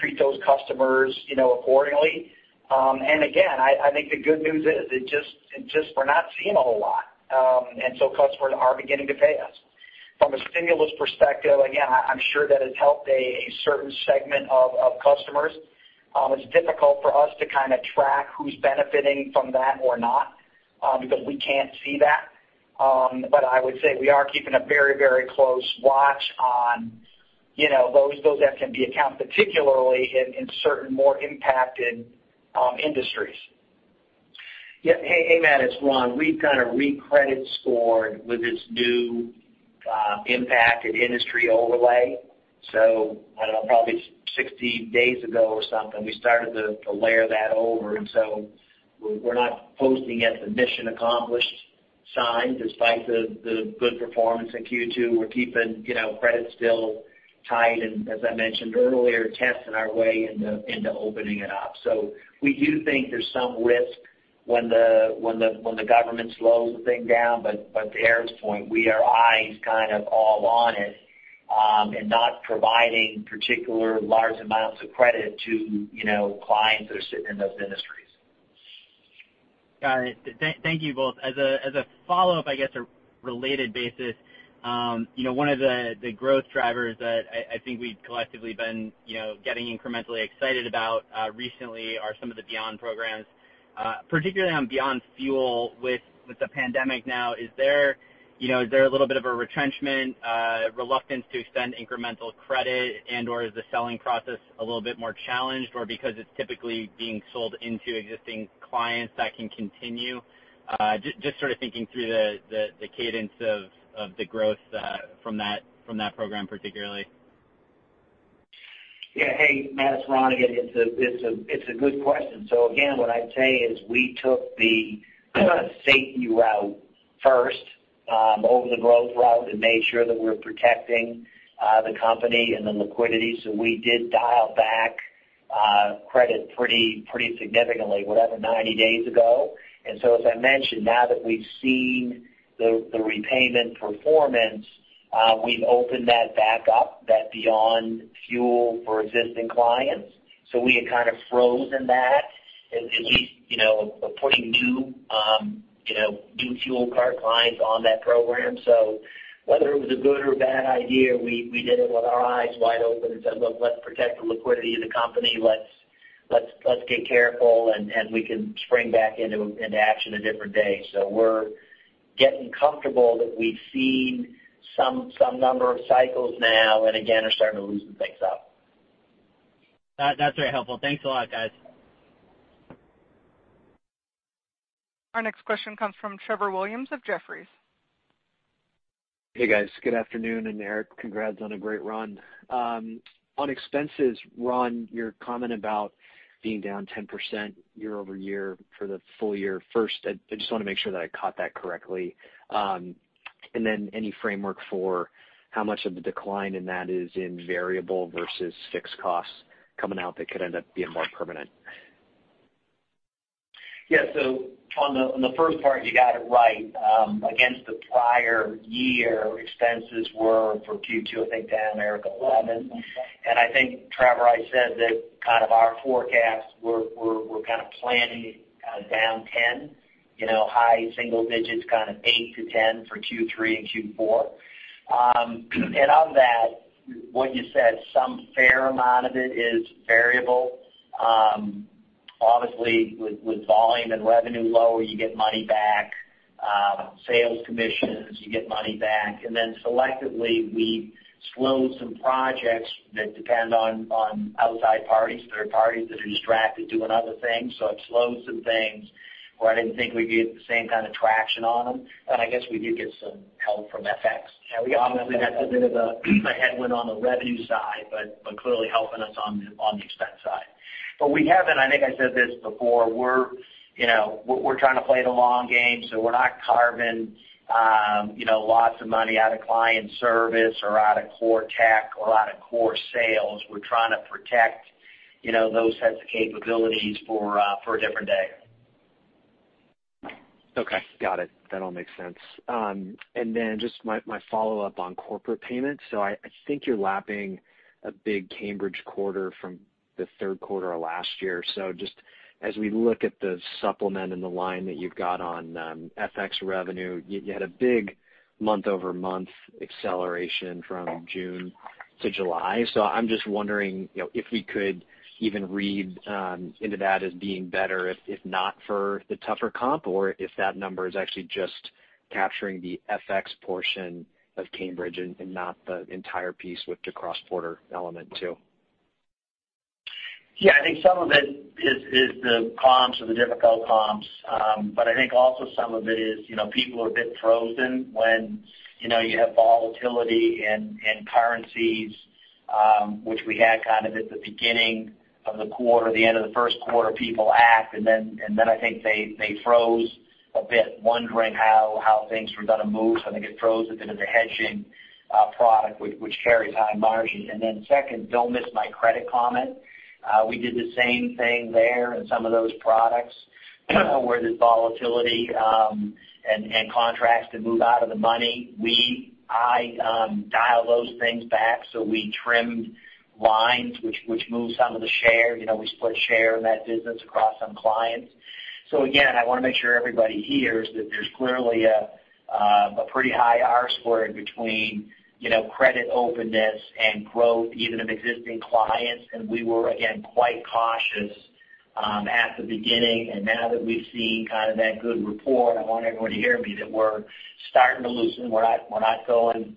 Speaker 4: treat those customers accordingly. Again, I think the good news is just we're not seeing a whole lot. Customers are beginning to pay us. From a stimulus perspective, again, I'm sure that has helped a certain segment of customers. It's difficult for us to kind of track who's benefiting from that or not because we can't see that. I would say we are keeping a very close watch on those that can be accounts, particularly in certain more impacted industries.
Speaker 3: Yeah. Hey, Matt, it's Ron. We've kind of re-credit scored with this new impact and industry overlay. I don't know, probably 60 days ago or something, we started to layer that over. We're not posting yet the mission accomplished sign despite the good performance in Q2. We're keeping credit still tight and as I mentioned earlier, testing our way into opening it up. We do think there's some risk when the government slows the thing down, but to Eric's point, our eye is kind of all on it, and not providing particular large amounts of credit to clients that are sitting in those industries.
Speaker 8: Got it. Thank you both. As a follow-up, I guess, a related basis, one of the growth drivers that I think we've collectively been getting incrementally excited about recently are some of the Beyond programs, particularly on Beyond Fuel with the pandemic now. Is there a little bit of a retrenchment, reluctance to extend incremental credit, and/or is the selling process a little bit more challenged? Or because it's typically being sold into existing clients, that can continue? Just sort of thinking through the cadence of the growth from that program particularly.
Speaker 3: Yeah. Hey, Matt, it's Ron again. It's a good question. Again, what I'd say is we took the safety route first over the growth route and made sure that we're protecting the company and the liquidity. We did dial back credit pretty significantly, whatever, 90 days ago. As I mentioned, now that we've seen the repayment performance, we've opened that back up, that Beyond Fuel for existing clients. We had kind of frozen that, at least putting new fuel card clients on that program. Whether it was a good or bad idea, we did it with our eyes wide open and said, "Look. Let's protect the liquidity of the company. Let's get careful, and we can spring back into action a different day." We're getting comfortable that we've seen some number of cycles now, and again, are starting to loosen things up.
Speaker 8: That's very helpful. Thanks a lot, guys.
Speaker 1: Our next question comes from Trevor Williams of Jefferies.
Speaker 9: Hey, guys. Good afternoon. Eric, congrats on a great run. On expenses, Ron, your comment about being down 10% year-over-year for the full year. First, I just want to make sure that I caught that correctly. Any framework for how much of the decline in that is in variable versus fixed costs coming out that could end up being more permanent?
Speaker 3: On the first part, you got it right. Against the prior year, expenses were for Q2, I think, down, Eric Dey, 11. I think, Trevor Williams, I said that our forecasts were planning down 10. High single digits, 8-10 for Q3 and Q4. Of that, what you said, some fair amount of it is variable. Obviously, with volume and revenue lower, you get money back. Sales commissions, you get money back. Then selectively, we slowed some projects that depend on outside parties. There are parties that are distracted doing other things, it slowed some things where I didn't think we'd get the same kind of traction on them. I guess we did get some help from FX.
Speaker 4: Yeah.
Speaker 3: Obviously, that's a bit of a headwind on the revenue side, but clearly helping us on the expense side. We haven't, I think I said this before, we're trying to play the long game, so we're not carving lots of money out of client service or out of core tech or out of core sales. We're trying to protect those sets of capabilities for a different day.
Speaker 9: Okay. Got it. That all makes sense. Just my follow-up on Corporate Payments. I think you're lapping a big Cambridge quarter from the third quarter of last year. I'm just wondering if we could even read into that as being better if not for the tougher comp, or if that number is actually just capturing the FX portion of Cambridge and not the entire piece with the cross-border element, too.
Speaker 3: I think some of it is the comps or the difficult comps. I think also some of it is people are a bit frozen when you have volatility in currencies, which we had kind of at the beginning of the quarter. The end of the first quarter, people act, I think they froze a bit, wondering how things were going to move. I think it froze a bit of the hedging product, which carries high margins. Second, don't miss my credit comment. We did the same thing there in some of those products where there's volatility and contracts that move out of the money. I dial those things back. We trimmed lines, which moves some of the share. We split share in that business across some clients. Again, I want to make sure everybody hears that there's clearly a pretty high R-squared between credit openness and growth even of existing clients. We were again, quite cautious at the beginning. Now that we've seen kind of that good rapport, I want everyone to hear me that we're starting to loosen. We're not going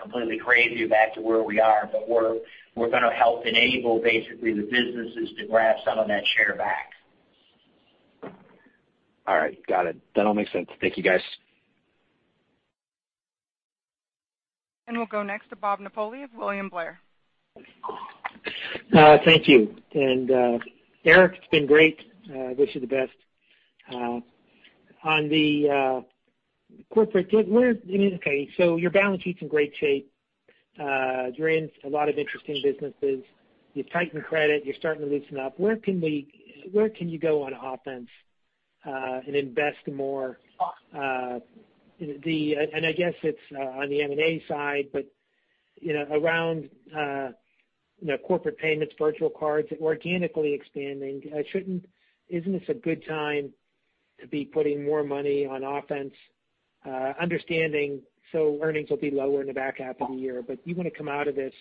Speaker 3: completely crazy back to where we are, but we're going to help enable basically the businesses to grab some of that share back.
Speaker 9: All right. Got it. That all makes sense. Thank you, guys.
Speaker 1: We'll go next to Bob Napoli of William Blair.
Speaker 10: Thank you. Eric, it's been great. Wish you the best. On the corporate debt, your balance sheet's in great shape. You're in a lot of interesting businesses. You've tightened credit. You're starting to loosen up. Where can you go on offense and invest more? I guess it's on the M&A side, but around Corporate Payments, virtual cards, organically expanding, isn't this a good time to be putting more money on offense, understanding earnings will be lower in the back half of the year. You want to come out of this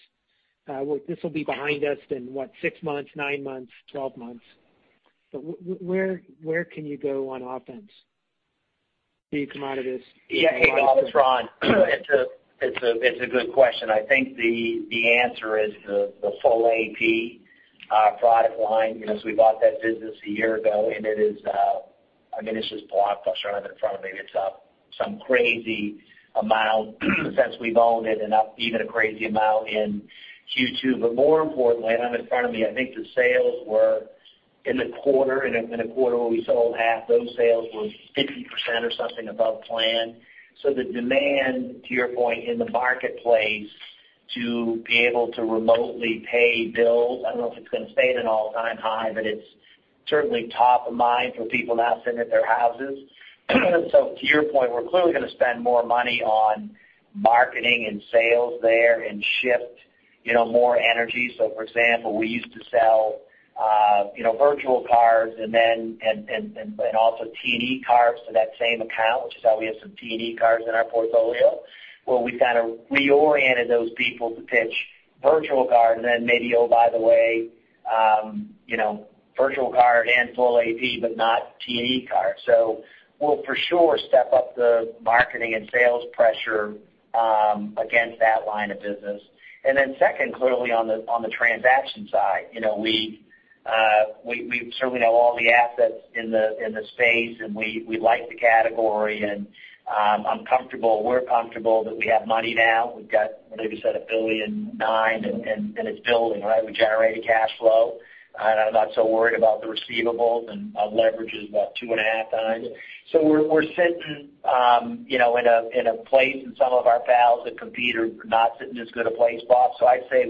Speaker 10: will be behind us in what, six months, nine months, 12 months. Where can you go on offense when you come out of this?
Speaker 3: Yeah. Hey, Bob, it's Ron Clarke. It's a good question. I think the answer is the Full AP product line. We bought that business a year ago, and it is just blockbusters right on the front of me. It's up some crazy amount since we've owned it and up even a crazy amount in Q2. More importantly, I don't have it in front of me, I think the sales were in the quarter, and in a quarter where we sold half those sales were 50% or something above plan. The demand, to your point, in the marketplace to be able to remotely pay bills, I don't know if it's going to stay at an all-time high, but it's certainly top of mind for people now sitting at their houses. To your point, we're clearly going to spend more money on marketing and sales there and shift more energy. For example, we used to sell virtual cards and also T&E cards to that same account, which is how we have some T&E cards in our portfolio. Well, we kind of reoriented those people to pitch Virtual Card and then maybe, oh, by the way virtual card and Full AP, but not T&E card. We'll for sure step up the marketing and sales pressure against that line of business. Second, clearly on the transaction side, we certainly know all the assets in the space, and we like the category and we're comfortable that we have money now. We've got, I believe you said $1.9 billion, and it's building, right? We're generating cash flow. I'm not so worried about the receivables and our leverage is about two and a half times. We're sitting in a place and some of our pals that compete are not sitting in as good a place, Bob. I'd say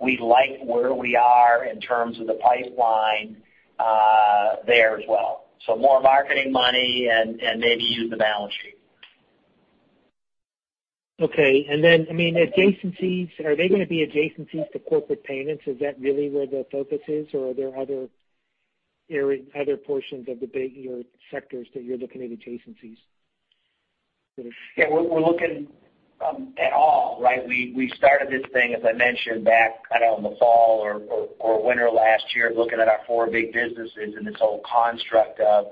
Speaker 3: we like where we are in terms of the pipeline there as well. More marketing money and maybe use the balance sheet.
Speaker 10: Okay. Adjacencies, are they going to be adjacencies to Corporate Payments? Is that really where the focus is, or are there other portions of your sectors that you're looking at adjacencies?
Speaker 3: Yeah, we're looking at all, right? We started this thing, as I mentioned, back kind of in the fall or winter last year, looking at our four big businesses and this whole construct of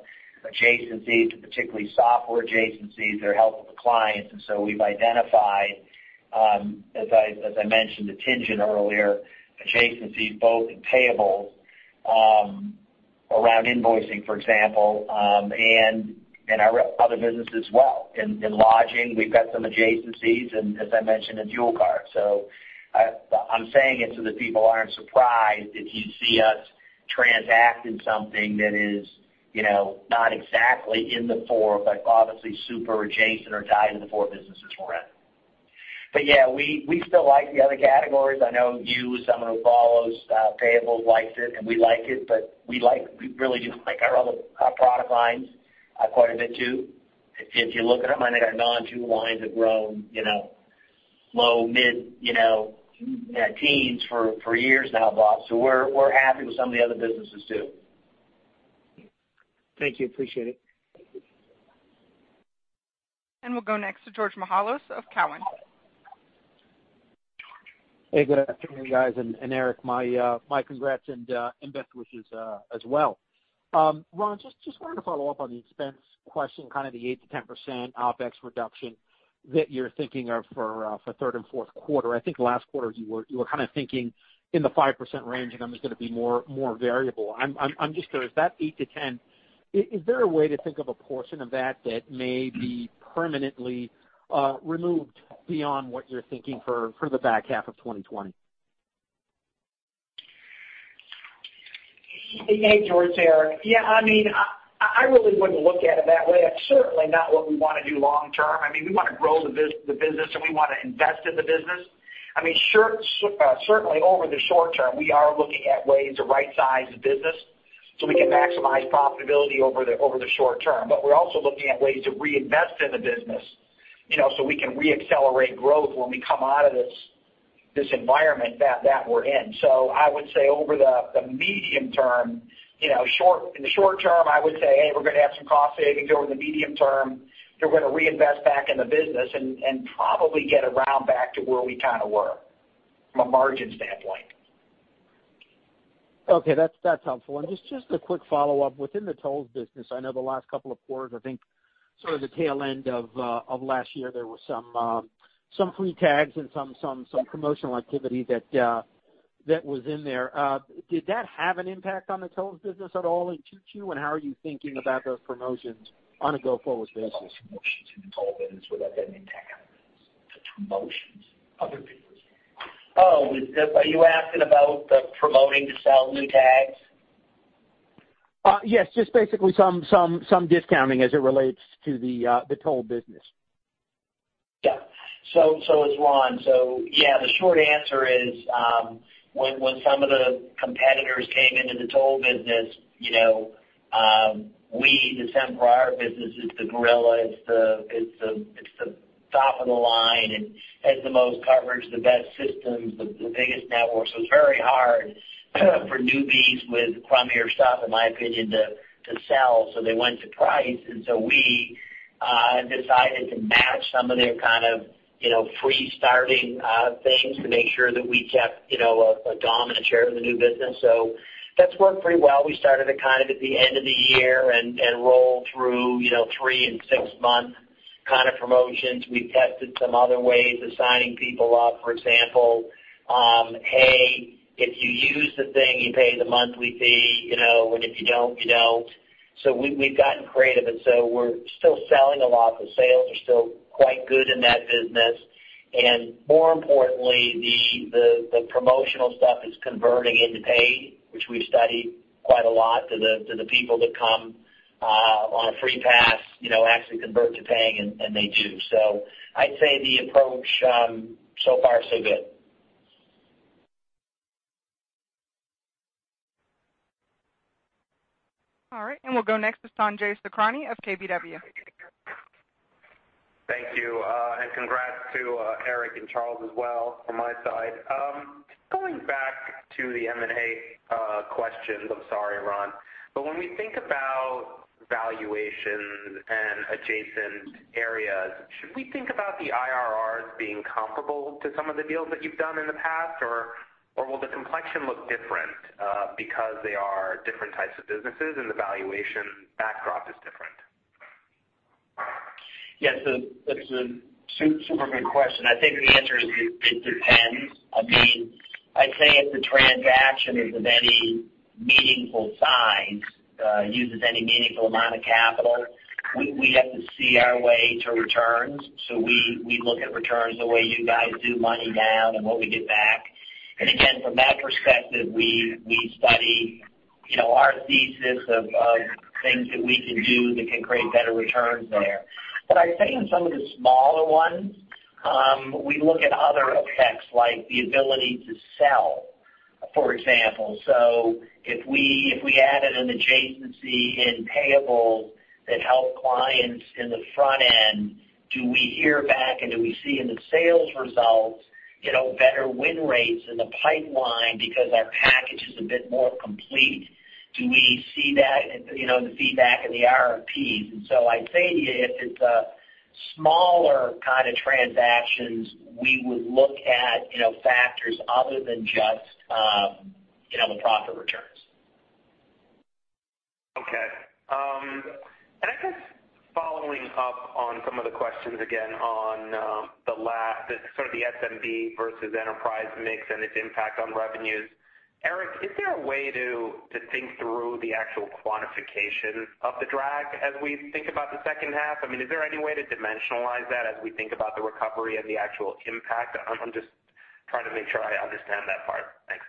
Speaker 3: adjacencies to particularly software adjacencies that are helping the clients. We've identified, as I mentioned to Tien-Tsin earlier, adjacencies both in payables around invoicing, for example, and our other business as well. In lodging, we've got some adjacencies and as I mentioned, in companion card. I'm saying it so that people aren't surprised if you see us transacting something that is not exactly in the four, but obviously super adjacent or tied to the four businesses we're in. Yeah, we still like the other categories. I know you as someone who follows payables likes it, and we like it, but we really do like our other product lines quite a bit too. If you look at them, I mean, our non-two lines have grown low, mid-teens for years now, Bob. We're happy with some of the other businesses too.
Speaker 10: Thank you. Appreciate it.
Speaker 1: We'll go next to George Mihalos of Cowen.
Speaker 11: Hey, good afternoon, guys, and Eric, my congrats and best wishes as well. Ron, just wanted to follow up on the expense question, kind of the 8%-10% OpEx reduction that you're thinking of for third and fourth quarter. I think last quarter you were kind of thinking in the 5% range, and I'm just going to be more variable. I'm just curious, that 8-10, is there a way to think of a portion of that that may be permanently removed beyond what you're thinking for the back half of 2020?
Speaker 4: Hey, George, Eric. Yeah, I really wouldn't look at it that way. That's certainly not what we want to do long term. We want to grow the business, we want to invest in the business. Certainly over the short term, we are looking at ways to right size the business so we can maximize profitability over the short term. We're also looking at ways to reinvest in the business so we can re-accelerate growth when we come out of this environment that we're in. I would say over the medium term, in the short term, I would say, hey, we're going to have some cost savings over the medium term. They're going to reinvest back in the business and probably get around back to where we kind of were from a margin standpoint.
Speaker 11: Okay, that's helpful. Just a quick follow-up. Within the tolls business, I know the last couple of quarters, I think sort of the tail end of last year, there was some free tags and some promotional activity that was in there. Did that have an impact on the tolls business at all in Q2, and how are you thinking about those promotions on a go-forward basis?
Speaker 3: Promotions in the toll business, would that have an impact on the promotions other people are seeing? Oh, are you asking about the promoting to sell new tags?
Speaker 11: Yes, just basically some discounting as it relates to the toll business.
Speaker 3: Yeah. It's Ron. Yeah, the short answer is when some of the competitors came into the toll business, we, the Sem Parar, our business is the gorilla, it's the top of the line and has the most coverage, the best systems, the biggest networks. It's very hard for newbies with crummier stuff, in my opinion, to sell. They went to price, we decided to match some of their kind of free starting things to make sure that we kept a dominant share of the new business. That's worked pretty well. We started it kind of at the end of the year and rolled through three and six-month kind of promotions. We've tested some other ways of signing people up. For example, hey, if you use the thing, you pay the monthly fee, and if you don't, you don't. We've gotten creative, we're still selling a lot. The sales are still quite good in that business. More importantly, the promotional stuff is converting into paid, which we've studied quite a lot to the people that come on a free pass actually convert to paying, and they do. I'd say the approach so far so good.
Speaker 1: All right, we'll go next to Sanjay Sakhrani of KBW.
Speaker 12: Thank you, and congrats to Eric and Charles as well from my side. Going back to the M&A questions, I'm sorry, Ron, but when we think about valuations and adjacent areas, should we think about the IRRs being comparable to some of the deals that you've done in the past, or will the complexion look different because they are different types of businesses and the valuation backdrop is different?
Speaker 3: Yes, that's a super good question. I think the answer is it depends. I'd say if the transaction is of any meaningful size, uses any meaningful amount of capital, we have to see our way to returns. We look at returns the way you guys do money down and what we get back. Again, from that perspective, we study our thesis of things that we can do that can create better returns there. I'd say in some of the smaller ones, we look at other effects, like the ability to sell, for example. If we added an adjacency in Corporate Payments that helped clients in the front end, do we hear back, and do we see in the sales results better win rates in the pipeline because our package is a bit more complete? Do we see that in the feedback and the RFPs? I'd say to you, if it's a smaller kind of transactions, we would look at factors other than just the profit returns.
Speaker 12: Okay. I guess following up on some of the questions again on the last sort of the SMB versus enterprise mix and its impact on revenues. Eric, is there a way to think through the actual quantification of the drag as we think about the second half? I mean, is there any way to dimensionalize that as we think about the recovery and the actual impact? I'm just trying to make sure I understand that part. Thanks.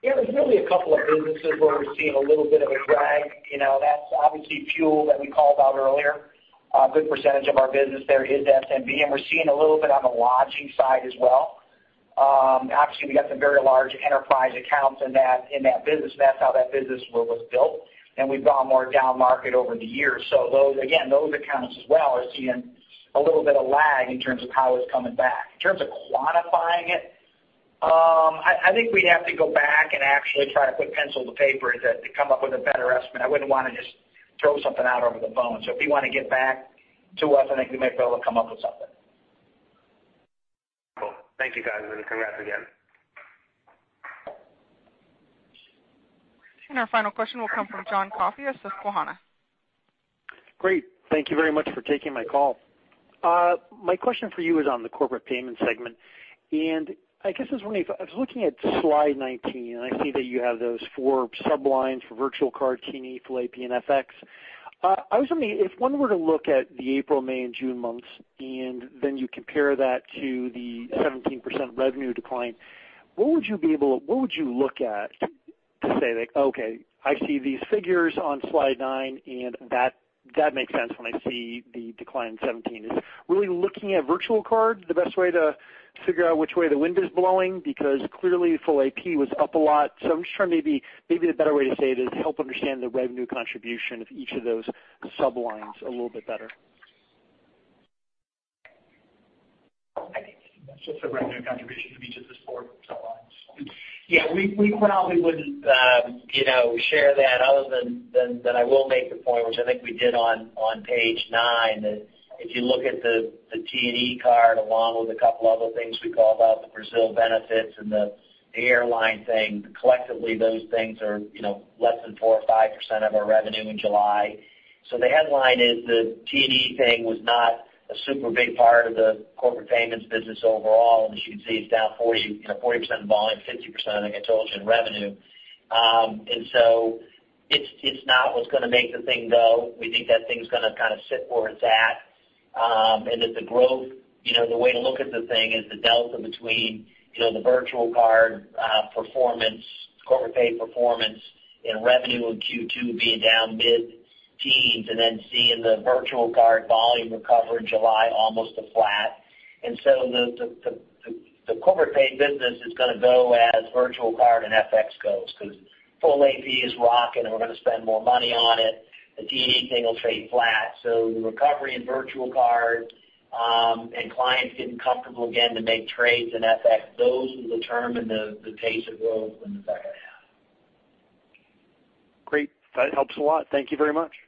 Speaker 4: Yeah. There's really a couple of businesses where we're seeing a little bit of a drag. That's obviously fuel that we called out earlier. A good percentage of our business there is SMB. We're seeing a little bit on the lodging side as well. Obviously, we got some very large enterprise accounts in that business. That's how that business was built. We've gone more down market over the years. Again, those accounts as well are seeing a little bit of lag in terms of how it's coming back. In terms of quantifying it, I think we'd have to go back and actually try to put pencil to paper to come up with a better estimate. I wouldn't want to just throw something out over the phone. If you want to get back to us, I think we may be able to come up with something.
Speaker 12: Cool. Thank you guys, and congrats again.
Speaker 1: Our final question will come from John Coffey of Susquehanna.
Speaker 13: Great. Thank you very much for taking my call. My question for you is on the Corporate Payments segment, I guess I was wondering if I was looking at slide nine, I see that you have those four sub-lines for virtual card, T&E, Full AP, and FX. I was wondering if one were to look at the April, May, and June months, then you compare that to the 17% revenue decline, what would you look at to say that, okay, I see these figures on slide nine and that makes sense when I see the decline in 17? Is really looking at virtual card the best way to figure out which way the wind is blowing? Because clearly Full AP was up a lot. I'm just trying to maybe a better way to say it is help understand the revenue contribution of each of those sub-lines a little bit better.
Speaker 3: I think that's just the revenue contribution to me, just the four sub-lines. Yeah, we probably wouldn't share that other than I will make the point, which I think we did on page nine, that if you look at the T&E card along with a couple other things we called out, the Brazil benefits and the airline thing, collectively, those things are less than 4% or 5% of our revenue in July. The headline is the T&E thing was not a super big part of the Corporate Payments business overall. As you can see, it's down 40% volume, 50%, I think I told you, in revenue. It's not what's going to make the thing go. We think that thing's going to kind of sit where it's at, and that the growth, the way to look at the thing is the delta between the virtual card performance, Corpay performance, and revenue in Q2 being down mid-teens and then seeing the virtual card volume recover in July almost to flat. The Corpay business is going to go as virtual card and FX goes because Full AP is rocking, and we're going to spend more money on it. The T&E thing will trade flat. The recovery in virtual card and clients getting comfortable again to make trades in FX, those will determine the pace of growth in the second half.
Speaker 13: Great. That helps a lot. Thank you very much.